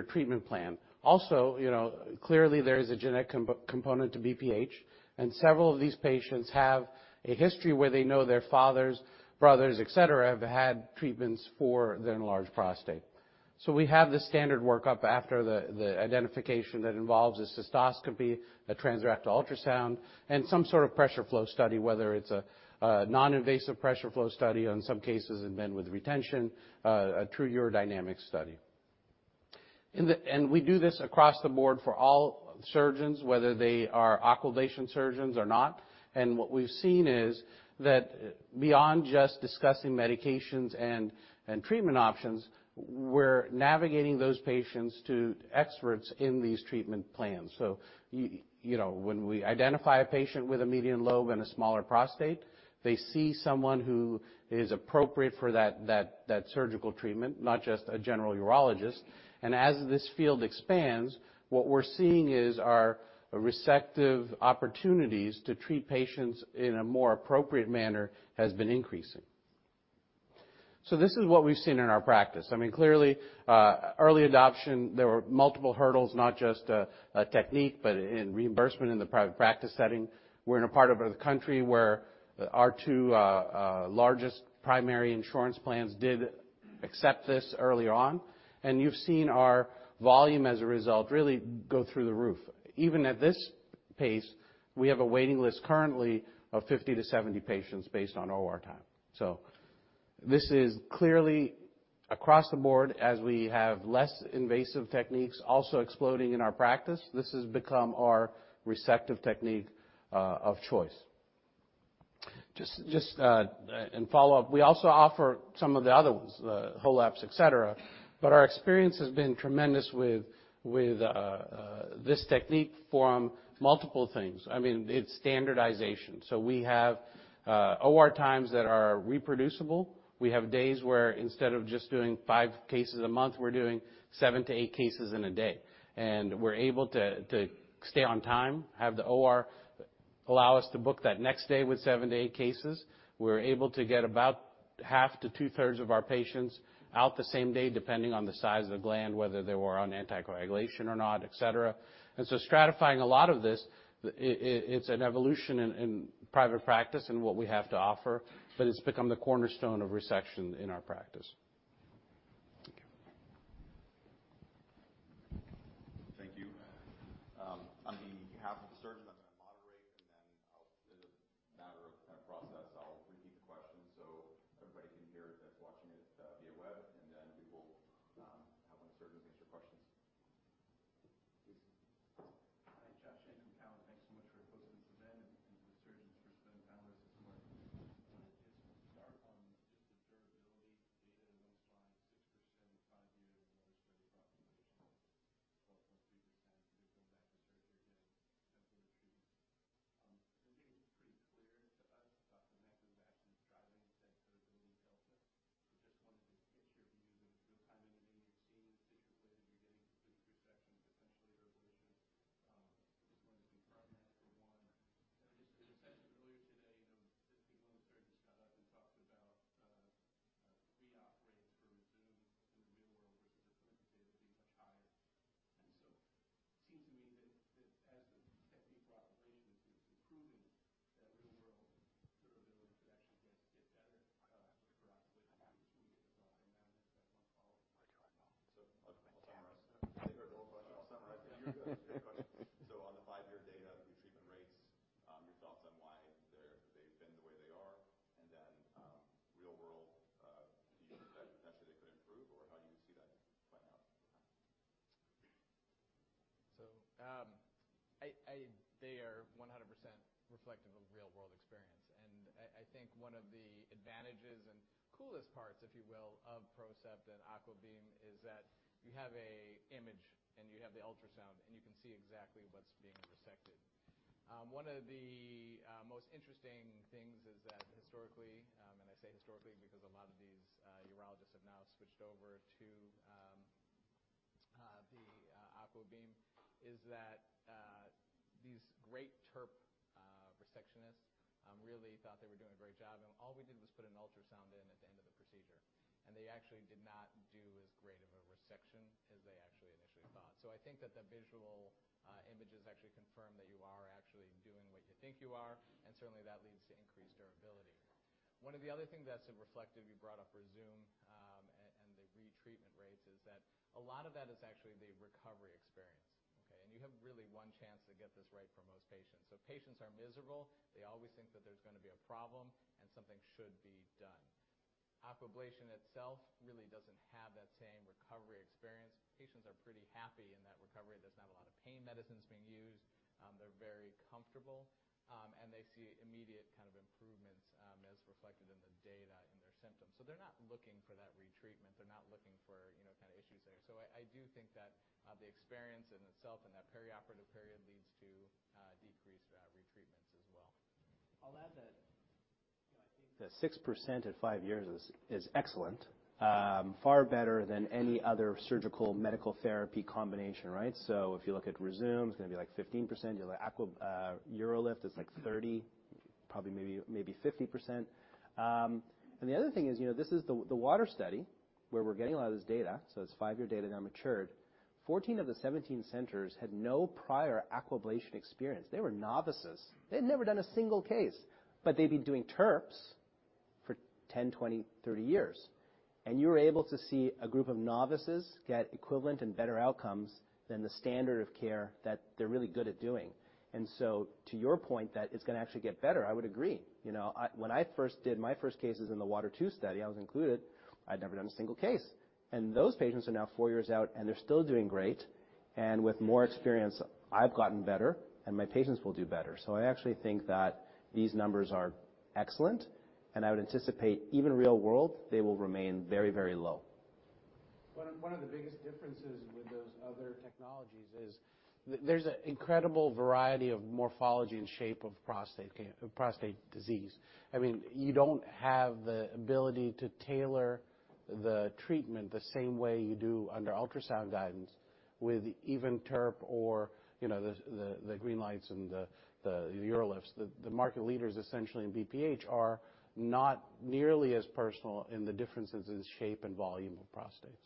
treatment plan. Also, you know, clearly there is a genetic component to BPH, and several of these patients have a history where they know their fathers, brothers, etc., have had treatments for their enlarged prostate. We have the standard workup after the identification that involves a cystoscopy, a transrectal ultrasound, and some sort of pressure flow study, whether it's a non-invasive pressure flow study, in some cases in men with retention, a true urodynamic study. We do this across the board for all surgeons, whether they are Aquablation surgeons or not. What we've seen is that beyond just discussing medications and treatment options, we're navigating those patients to experts in these treatment plans. You know, when we identify a patient with a median lobe and a smaller prostate, they see someone who is appropriate for that surgical treatment, not just a general urologist. As this field expands, what we're seeing is our resective opportunities to treat patients in a more appropriate manner has been increasing. This is what we've seen in our practice. I mean, clearly, early adoption, there were multiple hurdles, not just a technique, but in reimbursement in the private practice setting. We're in a part of the country where our two largest primary insurance plans did accept this early on, and you've seen our volume as a result really go through the roof. Even at this pace, we have a waiting list currently of 50-70 patients based on OR time. This is clearly across the board as we have less invasive techniques also exploding in our practice. This has become our resective technique of choice. Just in follow-up, we also offer some of the other ones, HoLEPs, et cetera, but our experience has been tremendous with This technique forms multiple things. I mean, it's standardization. We have OR times that are reproducible. We have days where instead of just doing 5 cases a month, we're doing 7-8 cases in a day. We're able to stay on time, have the OR allow us to book that next day with 7-8 cases. We're able to get about half to two-thirds of our patients out the same day, depending on the size of the gland, whether they were on anticoagulation or not, et cetera. Stratifying a lot of this, it's an evolution in private practice and what we have to offer, but it's become the cornerstone of resection in our practice. and you have the ultrasound, and you can see exactly what's being resected. One of the most interesting things is that historically, and I say historically because a lot of these urologists have now switched over to the AquaBeam, these great TURP resectionists really thought they were doing a great job, and all we did was put an ultrasound in at the end of the procedure. They actually did not do as great of a resection as they actually initially thought. I think that the visual images actually confirm that you are actually doing what you think you are. Certainly, that leads to increased durability. One of the other things that's reflective, you brought up Rezūm and the retreatment rates, is that a lot of that is actually the recovery experience, okay? You have really one chance to get this right for most patients. If patients are miserable, they always think that there's gonna be a problem and something should be done. Aquablation itself really doesn't have that same recovery experience. Patients are pretty happy in that recovery. There's not a lot of pain medicines being used. They're very comfortable. They see immediate kind of improvements, as reflected in the data and their symptoms. They're not looking for that retreatment. They're not looking for, you know, kind of issues there. I do think that the experience in itself and that perioperative period leads to decreased retreatments as well. I'll add that, you know, I think the 6% at 5 years is excellent. Far better than any other surgical medical therapy combination, right? If you look at Rezūm, it's gonna be like 15%. You look at UroLift, it's like 30, probably maybe 50%. The other thing is, you know, this is the WATER study where we're getting a lot of this data, so it's 5-year data now matured. 14 of the 17 centers had no prior Aquablation experience. They were novices. They'd never done a single case. But they'd been doing TURPs for 10, 20, 30 years. You're able to see a group of novices get equivalent and better outcomes than the standard of care that they're really good at doing. To your point that it's gonna actually get better, I would agree. You know, when I first did my first cases in the WATER II study, I was included. I'd never done a single case. Those patients are now four years out, and they're still doing great. With more experience, I'd gotten better, and my patients will do better. I actually think that these numbers are excellent. I would anticipate even real world, they will remain very, very low. One of the biggest differences with those other technologies is there's an incredible variety of morphology and shape of prostate disease. I mean, you don't have the ability to tailor the treatment the same way you do under ultrasound guidance with even TURP or, you know, the GreenLight and the UroLift. The market leaders essentially in BPH are not nearly as personalized in the differences in shape and volume of prostates.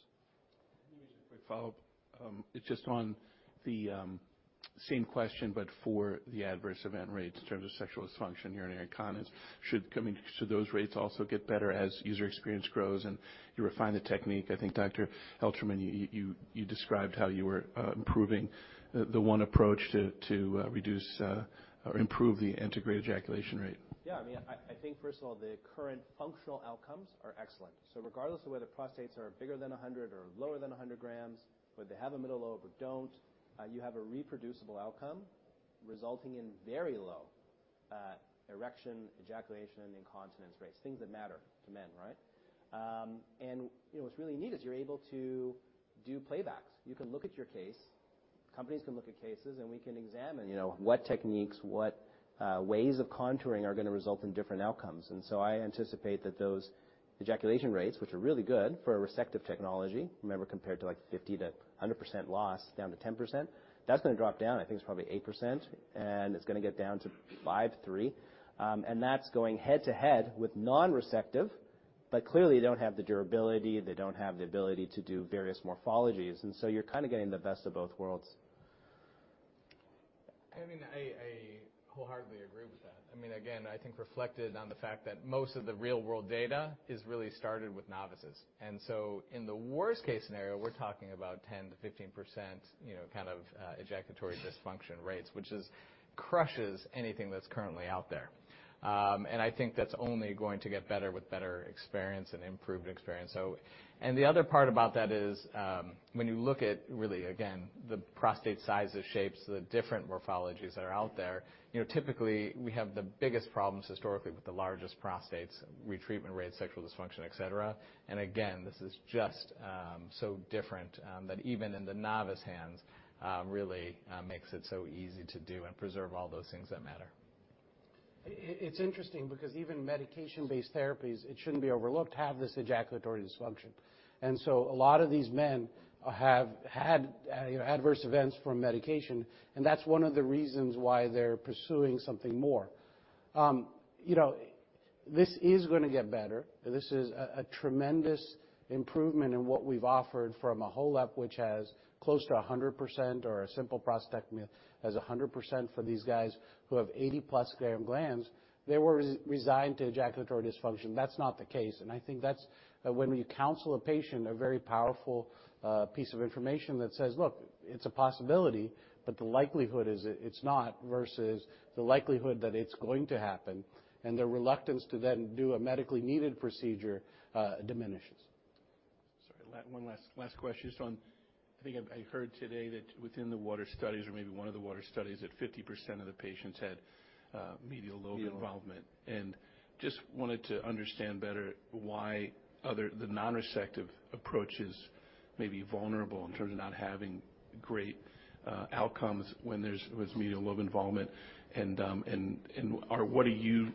Let me just ask a quick follow-up. It's just on the same question, but for the adverse event rates in terms of sexual dysfunction, urinary incontinence. I mean, should those rates also get better as user experience grows and you refine the technique? I think, Dr. Elterman, you described how you were improving the one approach to reduce or improve the antegrade ejaculation rate. Yeah. I mean, I think first of all, the current functional outcomes are excellent. Regardless of whether prostates are bigger than 100 or lower than 100 grams, whether they have a middle lobe or don't, you have a reproducible outcome resulting in very low. Erection, ejaculation, incontinence rates. Things that matter to men, right? You know, what's really neat is you're able to do playbacks. You can look at your case, companies can look at cases, and we can examine, you know, what techniques, ways of contouring are gonna result in different outcomes. I anticipate that those ejaculation rates, which are really good for a resective technology, remember, compared to like 50%-100% loss down to 10%, that's gonna drop down. I think it's probably 8%, and it's gonna get down to 5-3%. That's going head-to-head with non-resective, but clearly, they don't have the durability, they don't have the ability to do various morphologies, and so you're kind of getting the best of both worlds. I mean, I wholeheartedly agree with that. I mean, again, I think reflected on the fact that most of the real-world data is really started with novices. In the worst-case scenario, we're talking about 10%-15%, you know, kind of, ejaculatory dysfunction rates, which crushes anything that's currently out there. I think that's only going to get better with better experience and improved experience. The other part about that is, when you look at really again, the prostate sizes, shapes, the different morphologies that are out there, you know, typically, we have the biggest problems historically with the largest prostates, retreatment rates, sexual dysfunction, et cetera. Again, this is just, so different, that even in the novice hands, really makes it so easy to do and preserve all those things that matter. It's interesting because even medication-based therapies, it shouldn't be overlooked, have this ejaculatory dysfunction. A lot of these men have had, you know, adverse events from medication, and that's one of the reasons why they're pursuing something more. This is gonna get better. This is a tremendous improvement in what we've offered from a HoLEP, which has close to 100% or a simple prostatectomy has 100% for these guys who have 80+ gram glands. They were resigned to ejaculatory dysfunction. That's not the case. I think that's, when we counsel a patient, a very powerful piece of information that says, "Look, it's a possibility, but the likelihood is that it's not versus the likelihood that it's going to happen," and their reluctance to then do a medically needed procedure diminishes. Sorry. One last question just on. I think I've heard today that within the WATER studies or maybe one of the WATER studies, that 50% of the patients had median lobe. Yeah. Involvement. Just wanted to understand better why the non-resective approach is maybe vulnerable in terms of not having great outcomes when it's medial lobe involvement and, or what do you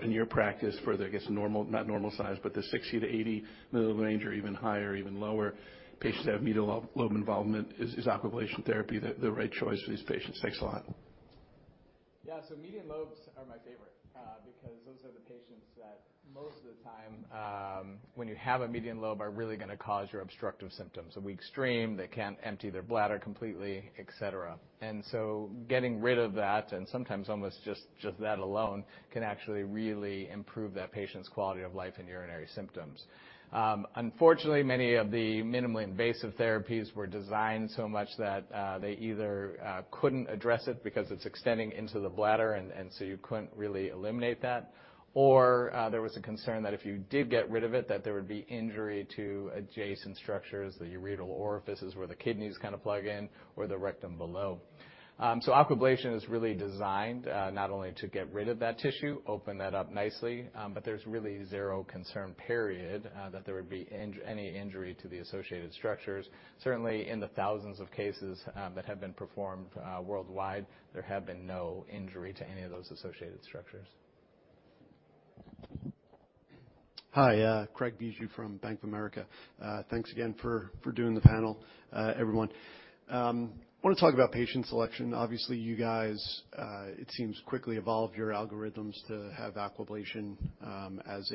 in your practice for the, I guess, normal, not normal size, but the 60-80 ml range or even higher, even lower patients that have medial lobe involvement, is Aquablation therapy the right choice for these patients? Thanks a lot. Yeah. Median lobes are my favorite, because those are the patients that most of the time, when you have a median lobe, are really gonna cause your obstructive symptoms. A weak stream, they can't empty their bladder completely, et cetera. Getting rid of that, and sometimes almost just that alone can actually really improve that patient's quality of life and urinary symptoms. Unfortunately, many of the minimally invasive therapies were designed so much that they either couldn't address it because it's extending into the bladder and so you couldn't really eliminate that, or there was a concern that if you did get rid of it, that there would be injury to adjacent structures, the ureteral orifices where the kidneys kinda plug in or the rectum below. Aquablation is really designed not only to get rid of that tissue, open that up nicely, but there's really zero concern period that there would be any injury to the associated structures. Certainly, in the thousands of cases that have been performed worldwide, there have been no injury to any of those associated structures. Hi, Craig Bijou from Bank of America. Thanks again for doing the panel, everyone. Wanna talk about patient selection. Obviously, you guys, it seems quickly evolved your algorithms to have Aquablation,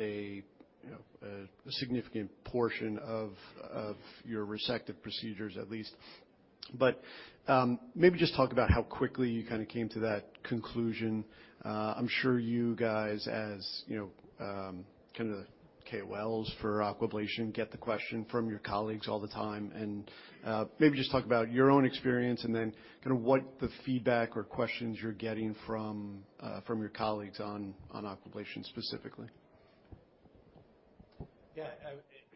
you know, a significant portion of your resective procedures at least. Maybe just talk about how quickly you kinda came to that conclusion. I'm sure you guys as, you know, kinda the KOLs for Aquablation, get the question from your colleagues all the time and, maybe just talk about your own experience and then kinda what the feedback or questions you're getting from your colleagues on Aquablation specifically. Yeah.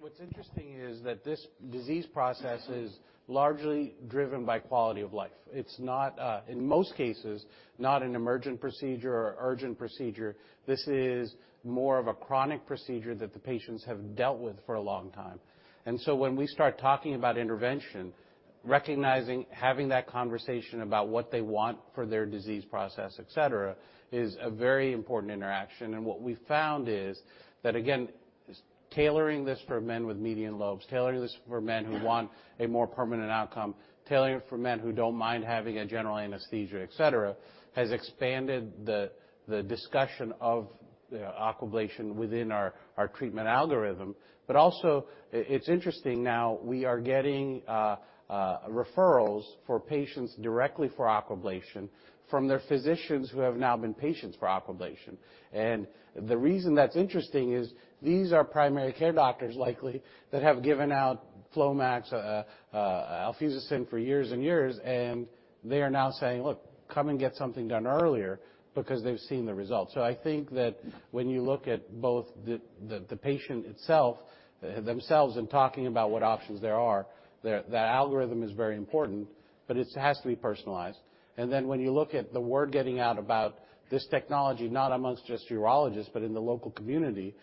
What's interesting is that this disease process is largely driven by quality of life. It's not, in most cases, not an emergent procedure or urgent procedure. This is more of a chronic procedure that the patients have dealt with for a long time. When we start talking about intervention, recognizing, having that conversation about what they want for their disease process, et cetera, is a very important interaction. What we found is that, again, tailoring this for men with median lobes, tailoring this for men who want a more permanent outcome, tailoring it for men who don't mind having a general anesthesia, et cetera, has expanded the discussion of Aquablation within our treatment algorithm. It's interesting now, we are getting referrals for patients directly for Aquablation from their physicians who have now been patients for Aquablation. The reason that's interesting is these are primary care doctors likely that have given out Flomax, alfuzosin for years and years, and they are now saying, "Look, come and get something done earlier," because they've seen the results. I think that when you look at both the patient itself, themselves in talking about what options there are, the algorithm is very important, but it has to be personalized. Then when you look at the word getting out about this technology, not among just urologists, but in the local community,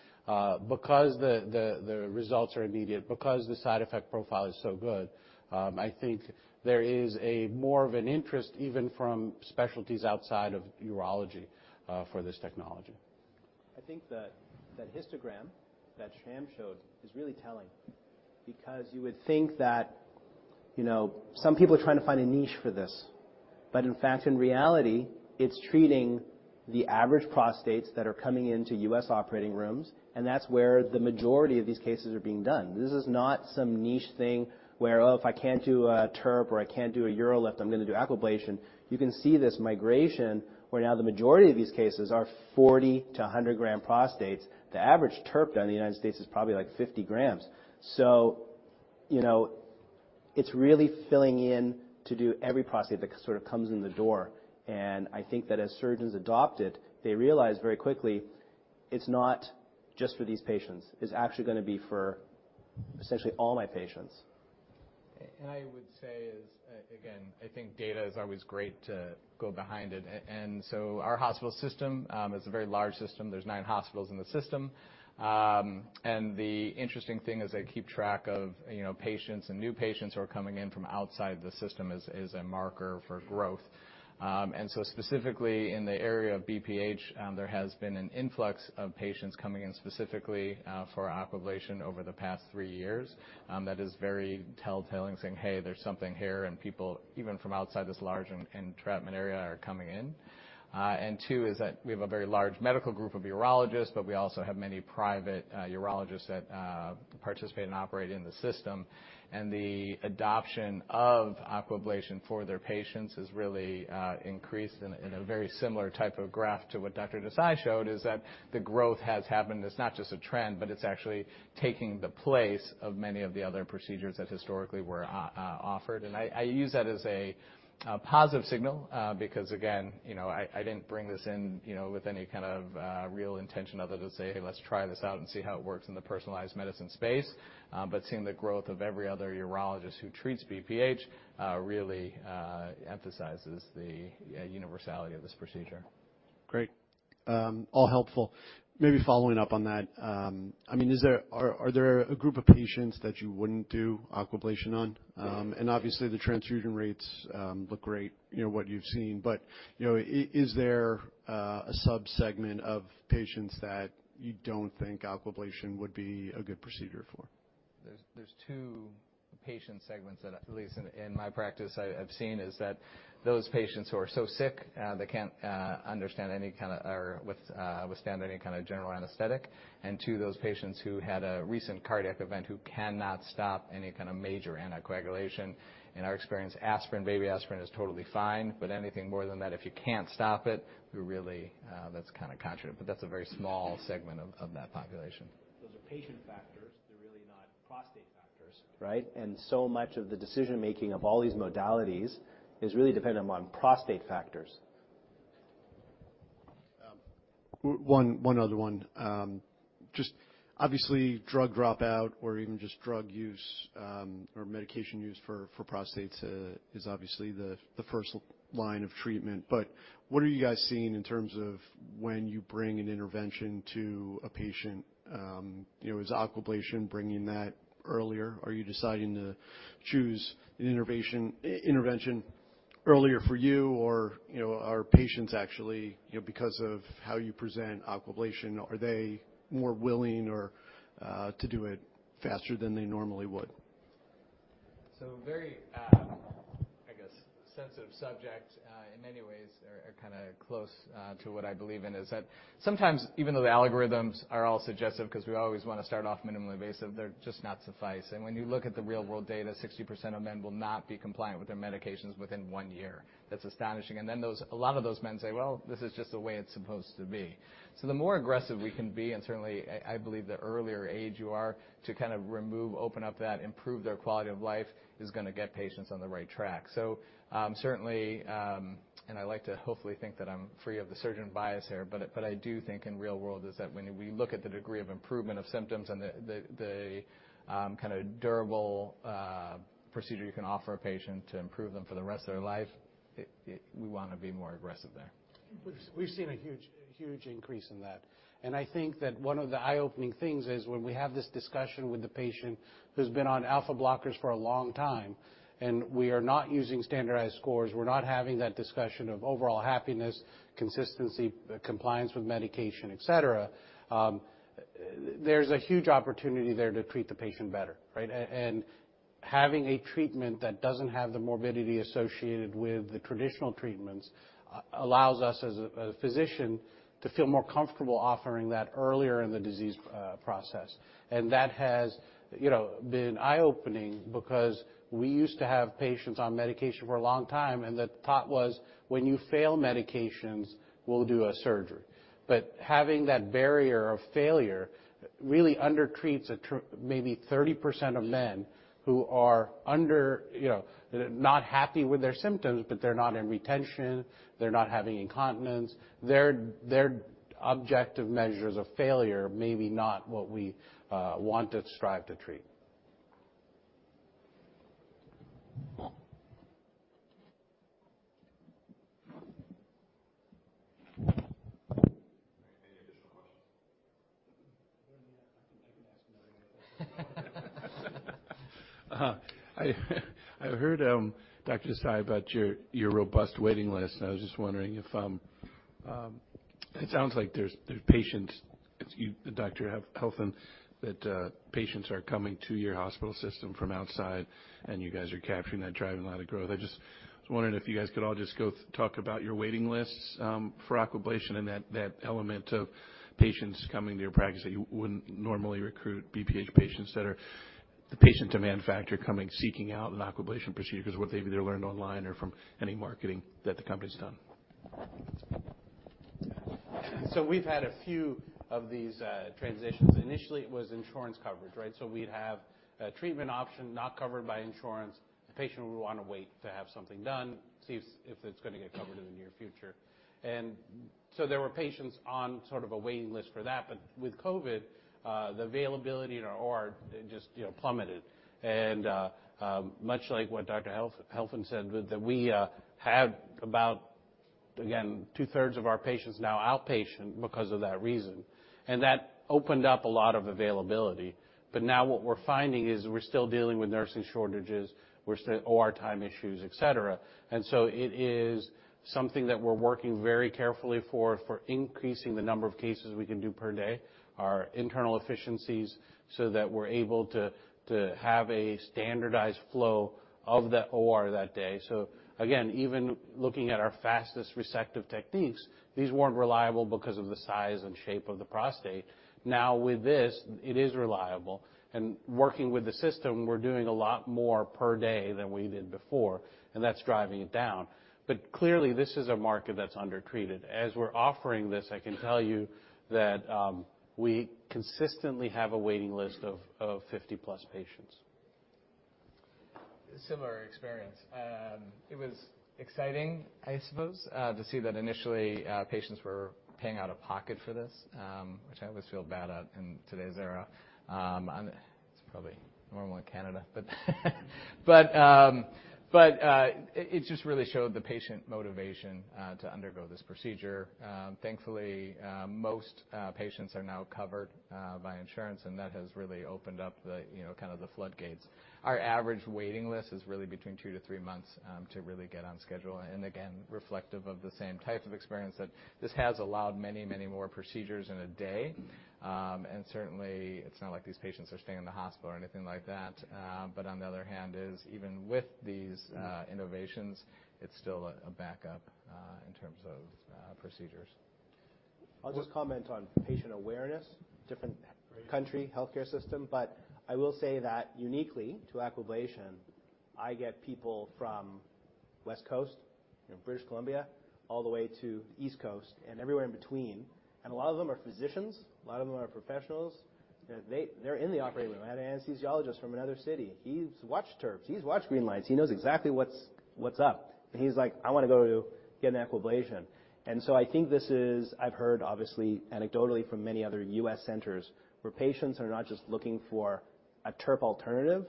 because the results are immediate, because the side effect profile is so good, I think there is more of an interest even from specialties outside of urology, for this technology. I think that histogram that Sham showed is really telling because you would think that. You know, some people are trying to find a niche for this, but in fact, in reality, it's treating the average prostates that are coming into U.S. operating rooms, and that's where the majority of these cases are being done. This is not some niche thing where, oh, if I can't do a TURP or I can't do a UroLift, I'm gonna do Aquablation. You can see this migration where now the majority of these cases are 40- to 100-gram prostates. The average TURP done in the United States is probably like 50 grams. You know, it's really filling in to do every prostate that sort of comes in the door. I think that as surgeons adopt it, they realize very quickly it's not just for these patients. It's actually gonna be for essentially all my patients. I would say, again, I think data is always great to go behind it. Our hospital system is a very large system. There's nine hospitals in the system. The interesting thing is they keep track of, you know, patients and new patients who are coming in from outside the system as a marker for growth. Specifically in the area of BPH, there has been an influx of patients coming in specifically for Aquablation over the past three years, that is very telling, saying, "Hey, there's something here," and people even from outside this large catchment area are coming in. Too, we have a very large medical group of urologists, but we also have many private urologists that participate and operate in the system. The adoption of Aquablation for their patients has really increased in a very similar type of graph to what Dr. Desai showed, is that the growth has happened. It's not just a trend, but it's actually taking the place of many of the other procedures that historically were offered. I use that as a positive signal, because again, you know, I didn't bring this in, you know, with any kind of real intention other than say, "Hey, let's try this out and see how it works in the personalized medicine space." But seeing the growth of every other urologist who treats BPH really emphasizes the universality of this procedure. Great. All helpful. Maybe following up on that, I mean, are there a group of patients that you wouldn't do Aquablation on? Obviously the transfusion rates look great, you know, what you've seen, but, you know, is there a subsegment of patients that you don't think Aquablation would be a good procedure for? There are two patient segments that at least in my practice I've seen is that those patients who are so sick they can't withstand any kind of general anesthetic, and two, those patients who had a recent cardiac event who cannot stop any kind of major anticoagulation. In our experience, aspirin, baby aspirin is totally fine, but anything more than that, if you can't stop it, we really, that's kinda contra. That's a very small segment of that population. Those are patient factors. They're really not prostate factors, right? Much of the decision-making of all these modalities is really dependent on prostate factors. One other one. Just obviously drug dropout or even just drug use, or medication use for prostates, is obviously the first line of treatment. What are you guys seeing in terms of when you bring an intervention to a patient? You know, is Aquablation bringing that earlier? Are you deciding to choose an intervention earlier for you or, you know, are patients actually, you know, because of how you present Aquablation, are they more willing or to do it faster than they normally would? Very, I guess, sensitive subject in many ways are kinda close to what I believe in is that sometimes even though the algorithms are all suggestive because we always wanna start off minimally invasive, they're just not sufficient. When you look at the real-world data, 60% of men will not be compliant with their medications within one year. That's astonishing. Then a lot of those men say, "Well, this is just the way it's supposed to be." The more aggressive we can be, and certainly I believe the earlier age you are to kind of remove, open up that, improve their quality of life, is gonna get patients on the right track. Certainly, and I like to hopefully think that I'm free of the surgeon bias here, but I do think in real world is that when we look at the degree of improvement of symptoms and the kind of durable procedure you can offer a patient to improve them for the rest of their life, it we wanna be more aggressive there. We've seen a huge increase in that. I think that one of the eye-opening things is when we have this discussion with the patient who's been on alpha blockers for a long time, and we are not using standardized scores, we're not having that discussion of overall happiness, consistency, compliance with medication, et cetera, there's a huge opportunity there to treat the patient better, right? And having a treatment that doesn't have the morbidity associated with the traditional treatments allows us as a physician to feel more comfortable offering that earlier in the disease process. That has, you know, been eye-opening because we used to have patients on medication for a long time, and the thought was, when you fail medications, we'll do a surgery. Having that barrier of failure really undertreats 30% of men who are under, you know, not happy with their symptoms, but they're not in retention, they're not having incontinence. Their objective measures of failure may not be what we want to strive to treat. Any additional questions? I heard Dr. Desai about your robust waiting list, and I was just wondering if it sounds like there's patients. You Dr. Helfand, patients are coming to your hospital system from outside, and you guys are capturing that, driving a lot of growth. I just was wondering if you guys could all just talk about your waiting lists for Aquablation and that element of patients coming to your practice that you wouldn't normally recruit BPH patients that are the patient demand factor coming seeking out an Aquablation procedure 'cause what they've either learned online or from any marketing that the company's done. We've had a few of these transitions. Initially, it was insurance coverage, right? We'd have a treatment option not covered by insurance. The patient would wanna wait to have something done, see if it's gonna get covered in the near future. There were patients on sort of a waiting list for that. With COVID, the availability in our OR just plummeted. Much like what Dr. Helfand said with that we had about, again, two-thirds of our patients now outpatient because of that reason. That opened up a lot of availability. Now what we're finding is we're still dealing with nursing shortages, we're still OR time issues, et cetera. It is something that we're working very carefully for increasing the number of cases we can do per day, our internal efficiencies, so that we're able to have a standardized flow of the OR that day. Again, even looking at our fastest resective techniques, these weren't reliable because of the size and shape of the prostate. Now with this, it is reliable. Working with the system, we're doing a lot more per day than we did before, and that's driving it down. Clearly, this is a market that's undertreated. As we're offering this, I can tell you that we consistently have a waiting list of 50+ patients. Similar experience. It was exciting, I suppose, to see that initially patients were paying out of pocket for this, which I always feel bad at in today's era. It's probably normal in Canada, but it just really showed the patient motivation to undergo this procedure. Thankfully, most patients are now covered by insurance, and that has really opened up the, you know, kind of the floodgates. Our average waiting list is really between 2-3 months to really get on schedule, and again, reflective of the same type of experience, that this has allowed many, many more procedures in a day. Certainly, it's not like these patients are staying in the hospital or anything like that. On the other hand, even with these innovations, it's still a backup in terms of procedures. W- I'll just comment on patient awareness, different country healthcare system, but I will say that uniquely to Aquablation, I get people from West Coast, you know, British Columbia, all the way to East Coast and everywhere in between. A lot of them are physicians, a lot of them are professionals. They're in the operating room. I had an anesthesiologist from another city. He's watched TURPs, he's watched GreenLight. He knows exactly what's up. He's like, "I wanna go to get an Aquablation." I think this is. I've heard obviously anecdotally from many other U.S. centers, where patients are not just looking for a TURP alternative,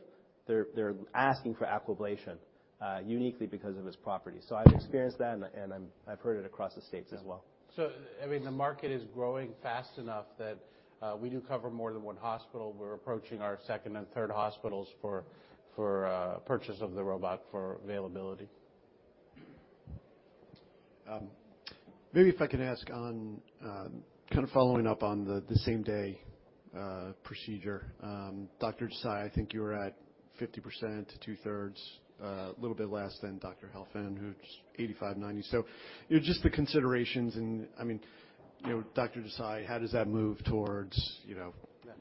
they're asking for Aquablation uniquely because of its property. I've experienced that, and I've heard it across the States as well. I mean, the market is growing fast enough that we do cover more than one hospital. We're approaching our second and third hospitals for purchase of the robot for availability. Maybe if I could ask on kind of following up on the same-day procedure. Dr. Desai, I think you were at 50% to two-thirds, a little bit less than Dr. Helfand, who's 85%-90%. You know, just the considerations and, I mean, you know, Dr. Desai, how does that move towards, you know- Yeah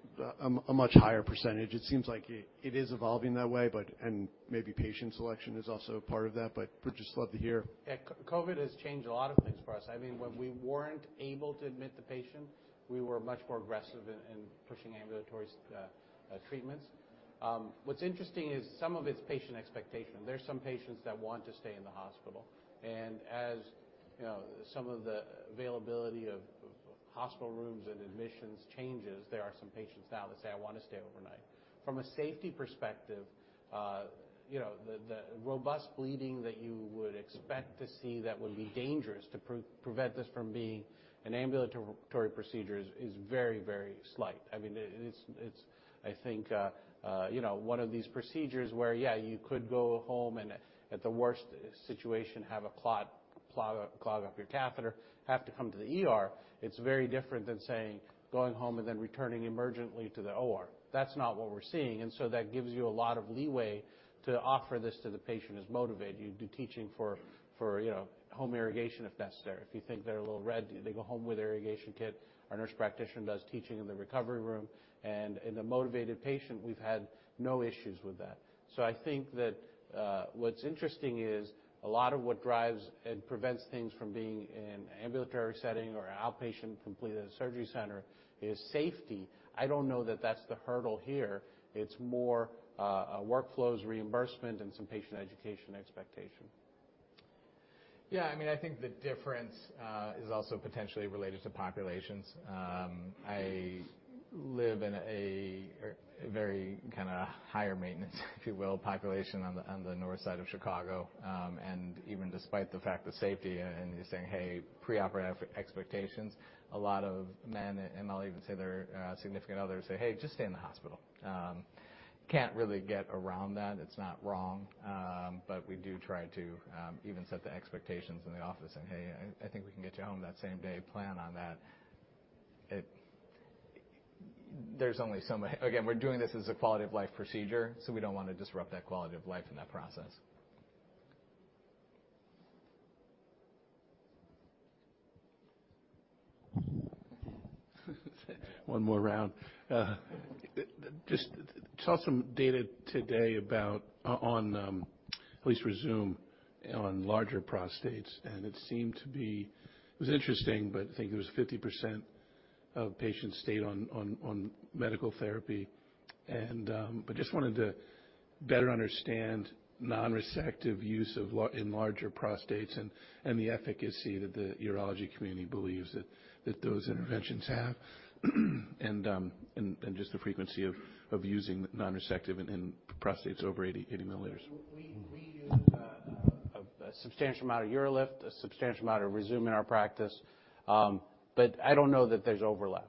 a much higher percentage? It seems like it is evolving that way, but and maybe patient selection is also part of that. Would just love to hear. Yeah. COVID has changed a lot of things for us. I mean, when we weren't able to admit the patient, we were much more aggressive in pushing ambulatory treatments. What's interesting is some of it's patient expectation. There's some patients that want to stay in the hospital, and as you know, some of the availability of hospital rooms and admissions changes, there are some patients now that say, "I wanna stay overnight." From a safety perspective, you know, the robust bleeding that you would expect to see that would be dangerous to prevent this from being an ambulatory procedure is very slight. I mean, it's I think, you know, one of these procedures where, yeah, you could go home and at the worst situation, have a clot clog up your catheter, have to come to the ER. It's very different than saying, going home and then returning emergently to the OR. That's not what we're seeing. That gives you a lot of leeway to offer this to the patient who's motivated. You do teaching for, you know, home irrigation, if that's there. If you think they're a little red, they go home with irrigation kit. Our nurse practitioner does teaching in the recovery room. In a motivated patient, we've had no issues with that. I think that what's interesting is a lot of what drives and prevents things from being an ambulatory setting or an outpatient completed at a surgery center is safety. I don't know that that's the hurdle here. It's more workflows, reimbursement, and some patient education expectation. Yeah. I mean, I think the difference is also potentially related to populations. I live in a very kinda higher maintenance, if you will, population on the north side of Chicago. Even despite the fact of safety and you're saying, "Hey, preoperative expectations," a lot of men, and I'll even say their significant others say, "Hey, just stay in the hospital." Can't really get around that. It's not wrong. We do try to even set the expectations in the office and, "Hey, I think we can get you home that same day. Plan on that." It Again, we're doing this as a quality of life procedure, so we don't wanna disrupt that quality of life in that process. One more round. Just saw some data today about at least Rezūm on larger prostates, and it seemed to be. It was interesting, but I think it was 50% of patients stayed on medical therapy, but just wanted to better understand non-resective use of in larger prostates and the efficacy that the urology community believes that those interventions have. Just the frequency of using non-resective in prostates over 80 milliliters. We use a substantial amount of UroLift, a substantial amount of Rezūm in our practice. I don't know that there's overlap.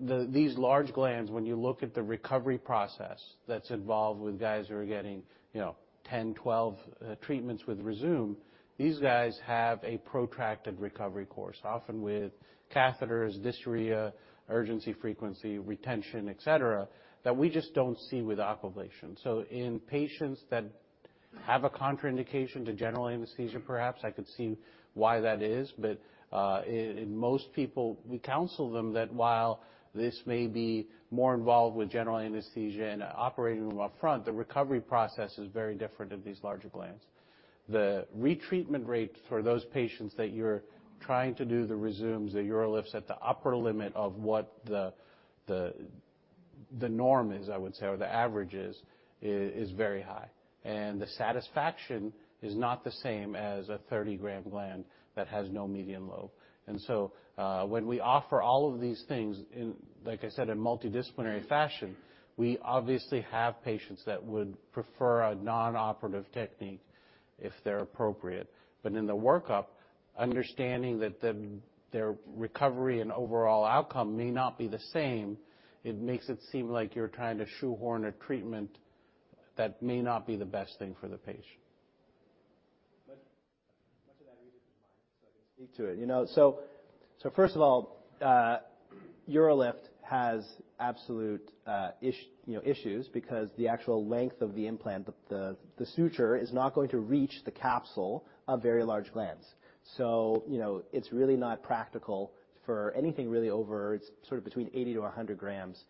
These large glands, when you look at the recovery process that's involved with guys who are getting, you know, 10, 12 treatments with Rezūm, these guys have a protracted recovery course, often with catheters, dysuria, urgency, frequency, retention, et cetera, that we just don't see with Aquablation. In patients that have a contraindication to general anesthesia, perhaps I could see why that is. In most people, we counsel them that while this may be more involved with general anesthesia and operating room up front, the recovery process is very different in these larger glands. The retreatment rate for those patients that you're trying to do the Rezūm, the UroLift at the upper limit of what the norm is, I would say, or the average is very high. The satisfaction is not the same as a 30-gram gland that has no median lobe. When we offer all of these things, like I said, in multidisciplinary fashion, we obviously have patients that would prefer a non-operative technique if they're appropriate. In the workup, understanding that their recovery and overall outcome may not be the same, it makes it seem like you're trying to shoehorn a treatment that may not be the best thing for the patient. Much of that reason is mine, so I can speak to it. You know, first of all, UroLift has absolute, you know, issues because the actual length of the implant, the suture is not going to reach the capsule of very large glands. So, you know, it's really not practical for anything really over sort of between 80-100 grams.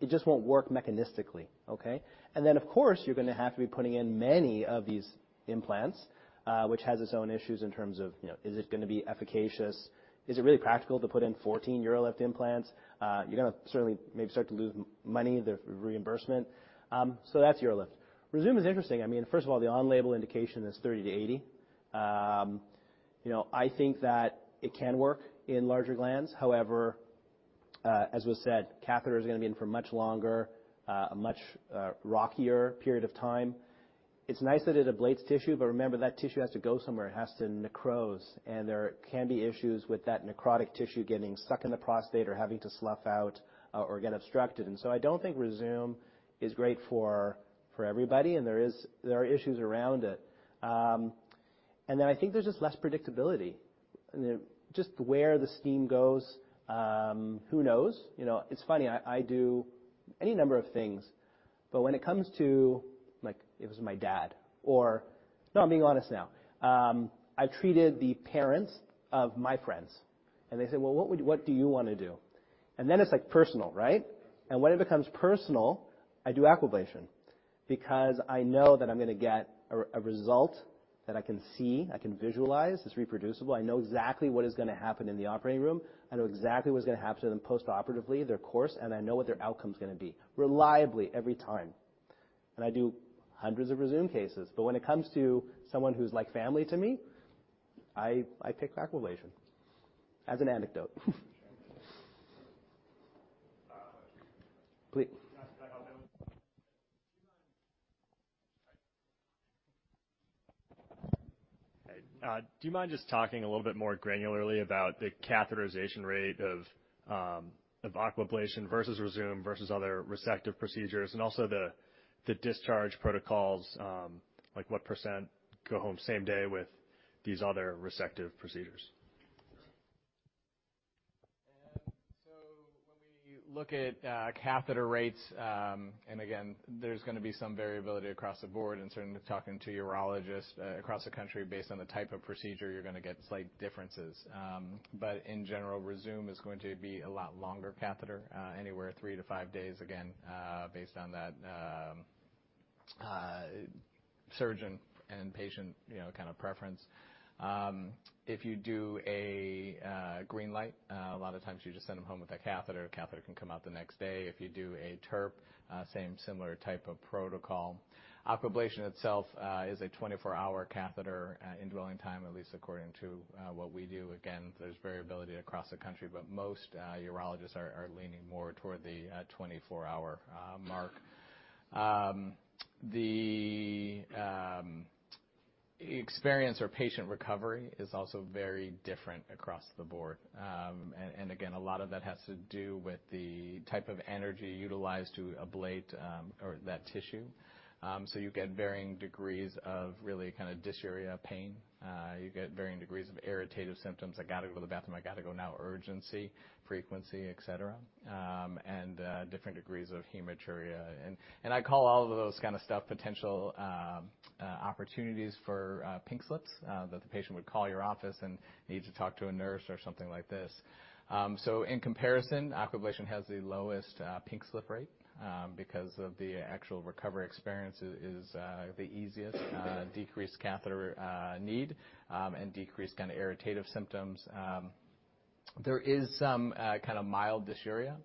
It just won't work mechanistically, okay? Then, of course, you're gonna have to be putting in many of these implants, which has its own issues in terms of, you know, is it gonna be efficacious? Is it really practical to put in 14 UroLift implants? You're gonna certainly maybe start to lose money, the reimbursement. So that's UroLift. Rezūm is interesting. I mean, first of all, the on-label indication is 30-80. You know, I think that it can work in larger glands. However, as was said, catheter is gonna be in for much longer, a much rockier period of time. It's nice that it ablates tissue, but remember, that tissue has to go somewhere. It has to necrose, and there can be issues with that necrotic tissue getting stuck in the prostate or having to slough out or get obstructed. I don't think Rezūm is great for everybody, and there are issues around it. I think there's just less predictability. You know, just where the steam goes, who knows? You know, it's funny, I do any number of things, but when it comes to, like, if it was my dad or. No, I'm being honest now. I treated the parents of my friends, and they say, "Well, what do you wanna do?" Then it's, like, personal, right? When it becomes personal, I do Aquablation because I know that I'm gonna get a result that I can see, I can visualize. It's reproducible. I know exactly what is gonna happen in the operating room. I know exactly what's gonna happen to them post-operatively, their course, and I know what their outcome's gonna be reliably every time. I do hundreds of Rezūm cases. When it comes to someone who's like family to me, I pick Aquablation as an option. Please. Do you mind just talking a little bit more granularly about the catheterization rate of Aquablation versus Rezūm versus other resective procedures and also the discharge protocols, like what % go home same day with these other resective procedures? When we look at catheter rates, and again, there's gonna be some variability across the board and certainly talking to urologists across the country based on the type of procedure you're gonna get slight differences. In general, Rezūm is going to be a lot longer catheter anywhere 3-5 days, again based on that surgeon and patient, you know, kind of preference. If you do a GreenLight, a lot of times you just send them home with a catheter. Catheter can come out the next day. If you do a TURP, same similar type of protocol. Aquablation itself is a 24-hour catheter indwelling time, at least according to what we do. Again, there's variability across the country, but most urologists are leaning more toward the 24-hour mark. Um, the- Experience or patient recovery is also very different across the board. Again, a lot of that has to do with the type of energy utilized to ablate or that tissue. You get varying degrees of really kind of dysuria pain. You get varying degrees of irritative symptoms. I gotta go to the bathroom. I gotta go now, urgency, frequency, et cetera, and different degrees of hematuria. I call all of those kind of stuff potential opportunities for pink slips that the patient would call your office and need to talk to a nurse or something like this. In comparison, Aquablation has the lowest pink slip rate because of the actual recovery experience is the easiest, decreased catheter need, and decreased kind of irritative symptoms. There is some kind of mild dysuria.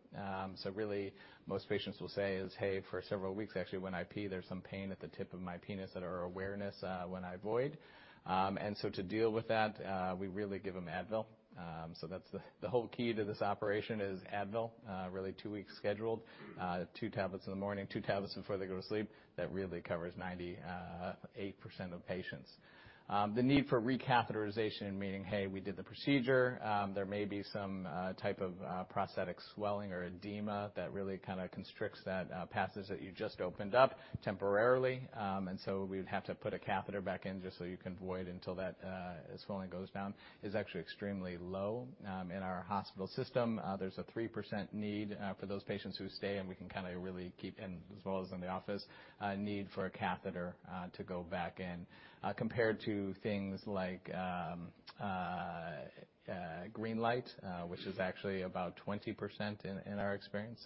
Really most patients will say is, "Hey, for several weeks, actually, when I pee, there's some pain at the tip of my penis that are awareness when I void." To deal with that, we really give them Advil. That's the whole key to this operation is Advil, really two weeks scheduled, two tablets in the morning, two tablets before they go to sleep. That really covers 98% of patients. The need for recatheterization, meaning, hey, we did the procedure, there may be some type of prostatic swelling or edema that really kind of constricts the passages that you just opened up temporarily. We'd have to put a catheter back in just so you can void until that swelling goes down is actually extremely low. In our hospital system, there's a 3% need for those patients who stay, and we can kind of really keep in as well as in the office need for a catheter to go back in compared to things like GreenLight, which is actually about 20% in our experience.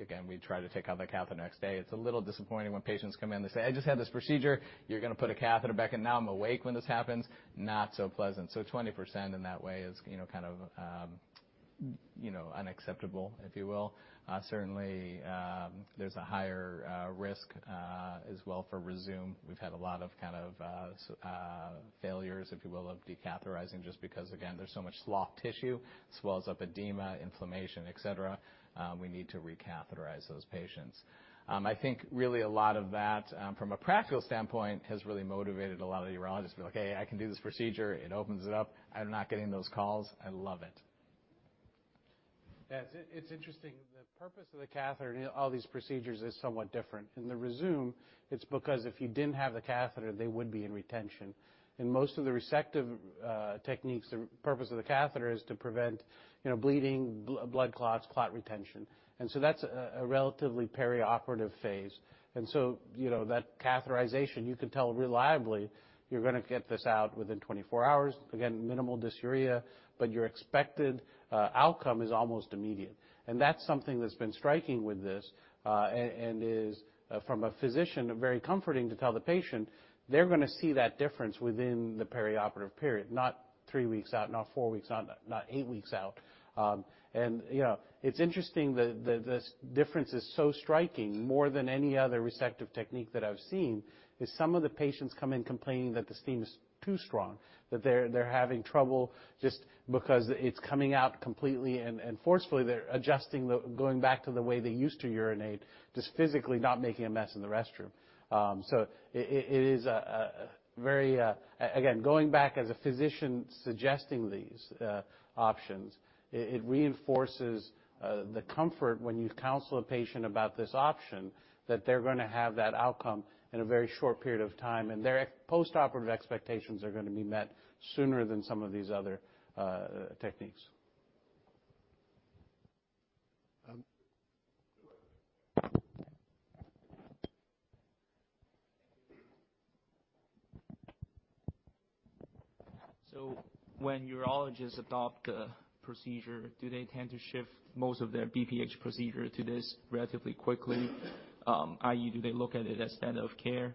Again, we try to take out the catheter next day. It's a little disappointing when patients come in, they say, "I just had this procedure. You're gonna put a catheter back in. Now I'm awake when this happens." Not so pleasant. 20% in that way is, you know, kind of, you know, unacceptable, if you will. Certainly, there's a higher risk as well for Rezūm. We've had a lot of kind of failures, if you will, of decatheterizing just because again, there's so much soft tissue, swells up, edema, inflammation, et cetera. We need to recatheterize those patients. I think really a lot of that from a practical standpoint has really motivated a lot of urologists to be like, "Hey, I can do this procedure. It opens it up. I'm not getting those calls. I love it. Yes. It's interesting. The purpose of the catheter in all these procedures is somewhat different. In the Rezūm, it's because if you didn't have the catheter, they would be in retention. In most of the resective techniques, the purpose of the catheter is to prevent, you know, bleeding, blood clots, clot retention. That's a relatively perioperative phase. You know, that catheterization, you can tell reliably you're gonna get this out within 24 hours. Again, minimal dysuria, but your expected outcome is almost immediate. That's something that's been striking with this and is, from a physician, very comforting to tell the patient they're gonna see that difference within the perioperative period, not three weeks out, not four weeks out, not eight weeks out. You know, it's interesting, the difference is so striking more than any other resective technique that I've seen. Some of the patients come in complaining that the stream is too strong, that they're having trouble just because it's coming out completely and forcefully. They're adjusting going back to the way they used to urinate, just physically not making a mess in the restroom. It is a very, again, going back as a physician suggesting these options, it reinforces the comfort when you counsel a patient about this option that they're gonna have that outcome in a very short period of time, and their post-operative expectations are gonna be met sooner than some of these other techniques. Um. When urologists adopt a procedure, do they tend to shift most of their BPH procedure to this relatively quickly? i.e., do they look at it as standard of care?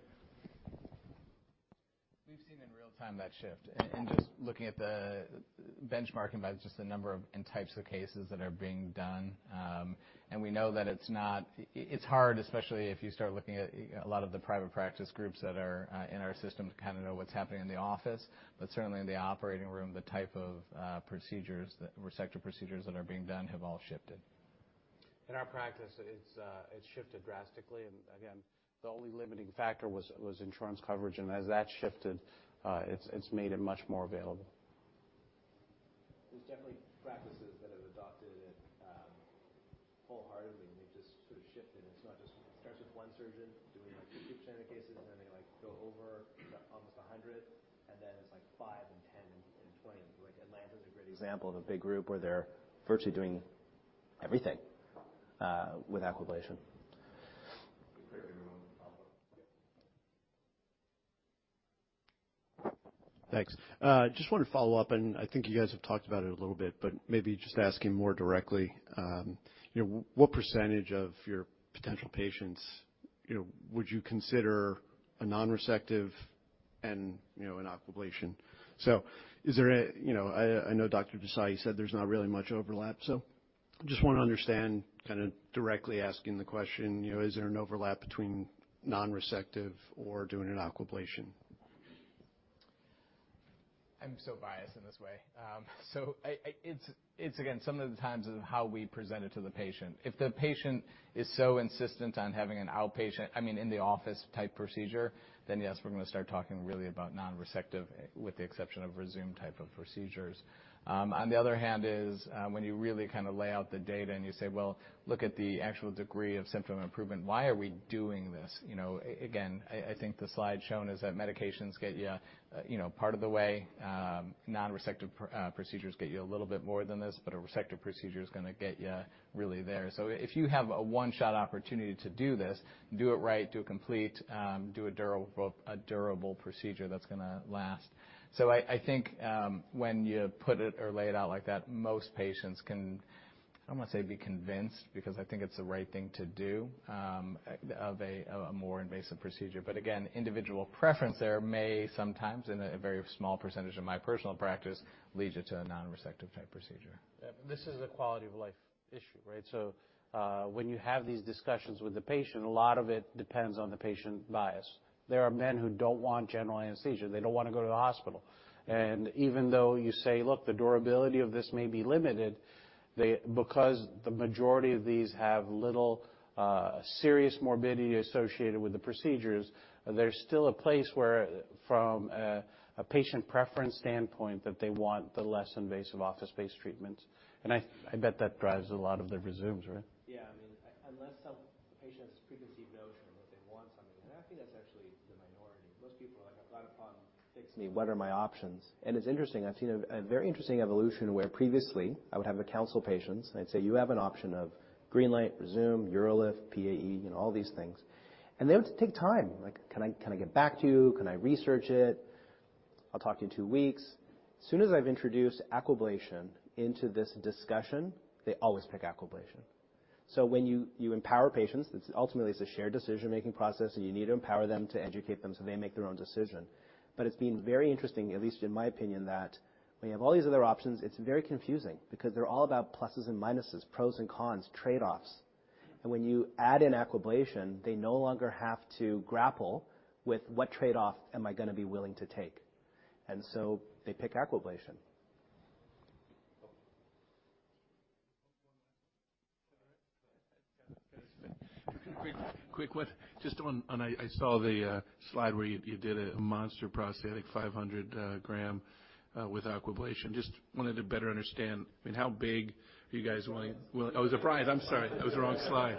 We've seen in real time that shift and just looking at the benchmarking by just the number of and types of cases that are being done. We know that it's hard, especially if you start looking at, you know, a lot of the private practice groups that are in our system to kind of know what's happening in the office. Certainly in the operating room, the type of resective procedures that are being done have all shifted. In our practice, it's shifted drastically. Again, the only limiting factor was insurance coverage. As that shifted, it's made it much more available. There's definitely practices that have adopted it wholeheartedly, and they've just sort of shifted. It starts with one surgeon doing like 2, 3 cases, and then they, like, go over almost 100, and then it's like 5 and 10 and 20. Like, Atlanta's a great example of a big group where they're virtually doing everything with Aquablation. Thanks. Just wanted to follow up, and I think you guys have talked about it a little bit, but maybe just asking more directly, you know, what percentage of your potential patients, you know, would you consider a non-resective and, you know, an Aquablation? I know, Dr. Desai, you said there's not really much overlap, so just wanna understand kinda directly asking the question, you know, is there an overlap between non-resective or doing an Aquablation? I'm so biased in this way. It's again some of the times of how we present it to the patient. If the patient is so insistent on having an outpatient, I mean, in-the-office type procedure, then yes, we're gonna start talking really about non-resective with the exception of Rezūm type of procedures. On the other hand is when you really kinda lay out the data and you say, "Well, look at the actual degree of symptom improvement. Why are we doing this?" You know, again, I think the slide shown is that medications get you know, part of the way. Non-resective procedures get you a little bit more than this, but a resective procedure is gonna get you really there. If you have a one-shot opportunity to do this, do it right, do it complete, do a durable procedure that's gonna last. I think when you put it or lay it out like that, most patients can. I don't wanna say be convinced, because I think it's the right thing to do, of a more invasive procedure. Again, individual preference there may sometimes, in a very small percentage of my personal practice, lead you to a non-resective type procedure. This is a quality-of-life issue, right? When you have these discussions with the patient, a lot of it depends on the patient bias. There are men who don't want general anesthesia. They don't wanna go to the hospital. Even though you say, "Look, the durability of this may be limited," they because the majority of these have little serious morbidity associated with the procedures, there's still a place where from a patient preference standpoint that they want the less invasive office-based treatments. I bet that drives a lot of the Rezūm, right? Yeah. I mean, unless some patient's preconceived notion that they want something, and I think that's actually the minority. Most people are like, "I've got a problem. Fix me. What are my options?" It's interesting. I've seen a very interesting evolution where previously I would counsel patients and say, "You have an option of GreenLight, Rezūm, UroLift, PAE, you know, all these things." They would take time. Like, "Can I get back to you? Can I research it? I'll talk to you in two weeks." As soon as I've introduced Aquablation into this discussion, they always pick Aquablation. When you empower patients, it's ultimately a shared decision-making process, and you need to empower them to educate them so they make their own decision. It's been very interesting, at least in my opinion, that when you have all these other options, it's very confusing because they're all about pluses and minuses, pros and cons, trade-offs. When you add in Aquablation, they no longer have to grapple with what trade-off am I gonna be willing to take. They pick Aquablation. Quick one. Just on, I saw the slide where you did a monster prostatic 500-gram with Aquablation. Just wanted to better understand, I mean, how big are you guys willing. Oh, it was a prostate. I'm sorry. That was the wrong slide.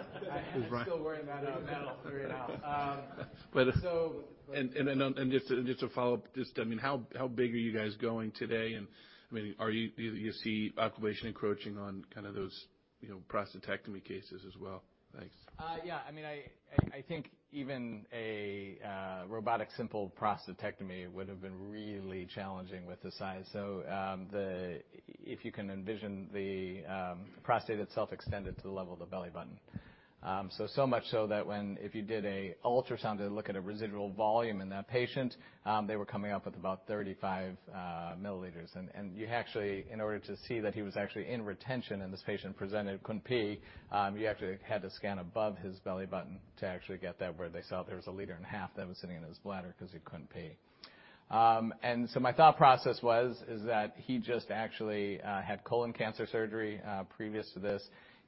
I'm still wearing that metal clear now. Just to follow up, I mean, how big are you guys going today? I mean, do you see Aquablation encroaching on kind of those, you know, prostatectomy cases as well? Thanks. I mean, I think even a robotic simple prostatectomy would have been really challenging with the size. If you can envision the prostate itself extended to the level of the belly button. So much so that if you did an ultrasound to look at a residual volume in that patient, they were coming up with about 35 ml. You actually, in order to see that he was actually in retention and this patient presented couldn't pee, you actually had to scan above his belly button to actually get that where they saw there was 1.5 L that was sitting in his bladder 'cause he couldn't pee. My thought process was, is that he just actually had colon cancer surgery previous to this.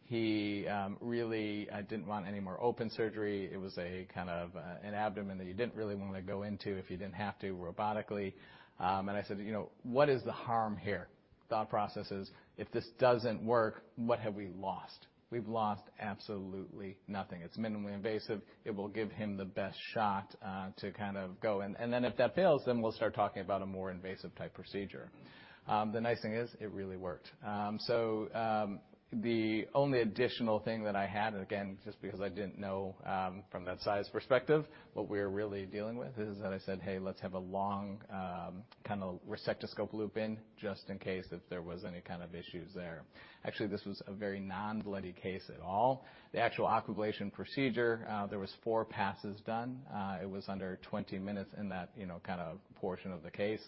He really didn't want any more open surgery. It was a kind of an abdomen that you didn't really wanna go into if you didn't have to robotically. I said, "You know, what is the harm here?" Thought process is, if this doesn't work, what have we lost? We've lost absolutely nothing. It's minimally invasive. It will give him the best shot to kind of go in. If that fails, then we'll start talking about a more invasive type procedure. The nice thing is it really worked. So, the only additional thing that I had, and again, just because I didn't know from that size perspective, what we're really dealing with is that I said, "Hey, let's have a long kind of resectoscope loop in just in case if there was any kind of issues there." Actually, this was a very non-bloody case at all. The actual Aquablation procedure, there was four passes done. It was under 20 minutes in that, you know, kind of portion of the case.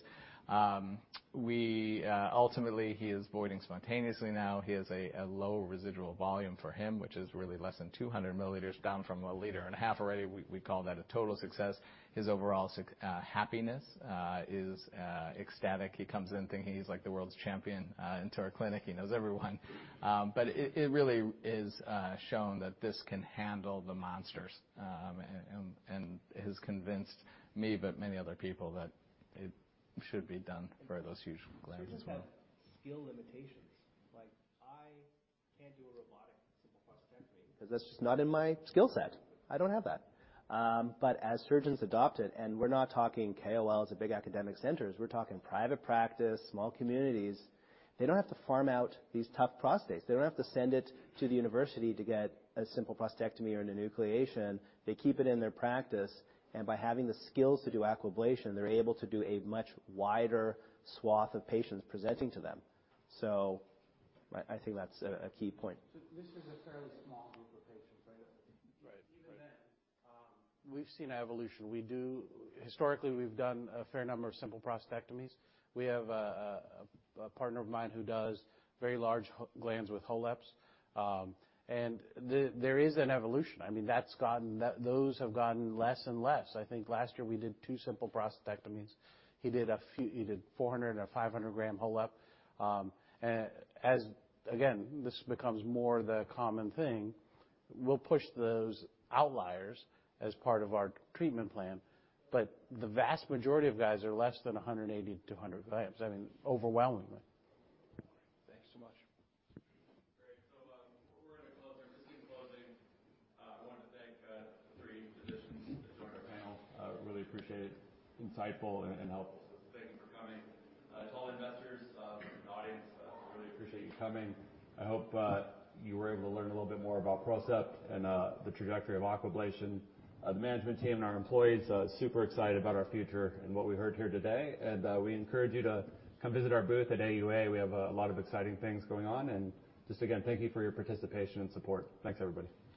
Ultimately, he is voiding spontaneously now. He has a low residual volume for him, which is really less than 200 milliliters down from a liter and a half already. We call that a total success. His overall happiness is ecstatic. He comes in thinking he's like the world's champion into our clinic. He knows everyone. It really is shown that this can handle the monsters, and has convinced me, but many other people that it should be done for those huge glands as well. Surgeons have skill limitations. Like, I can't do a robotic simple prostatectomy 'cause that's just not in my skill set. I don't have that. As surgeons adopt it, and we're not talking KOLs at big academic centers, we're talking private practice, small communities, they don't have to farm out these tough prostates. They don't have to send it to the university to get a simple prostatectomy or a enucleation. They keep it in their practice, and by having the skills to do Aquablation, they're able to do a much wider swath of patients presenting to them. I think that's a key point. This is a fairly small group of patients, right? Right. Right. Even then, we've seen evolution. Historically, we've done a fair number of simple prostatectomies. We have a partner of mine who does very large huge glands with HoLEPs. There is an evolution. I mean, those have gotten less and less. I think last year we did two simple prostatectomies. He did 400- and 500-gram HoLEP. As again, this becomes more the common thing, we'll push those outliers as part of our treatment plan. The vast majority of guys are less than 180-200 grams. I mean, overwhelmingly. Thanks so much. Great. We're gonna close. I'm just in closing. I want to thank the three physicians that joined our panel. Really appreciate it. Insightful and helpful. Thank you for coming. To all investors, audience, really appreciate you coming. I hope you were able to learn a little bit more about PROCEPT and the trajectory of Aquablation. The management team and our employees are super excited about our future and what we heard here today. We encourage you to come visit our booth at AUA. We have a lot of exciting things going on. Just again, thank you for your participation and support. Thanks everybody. Sorry, Bart. You can go. I didn't-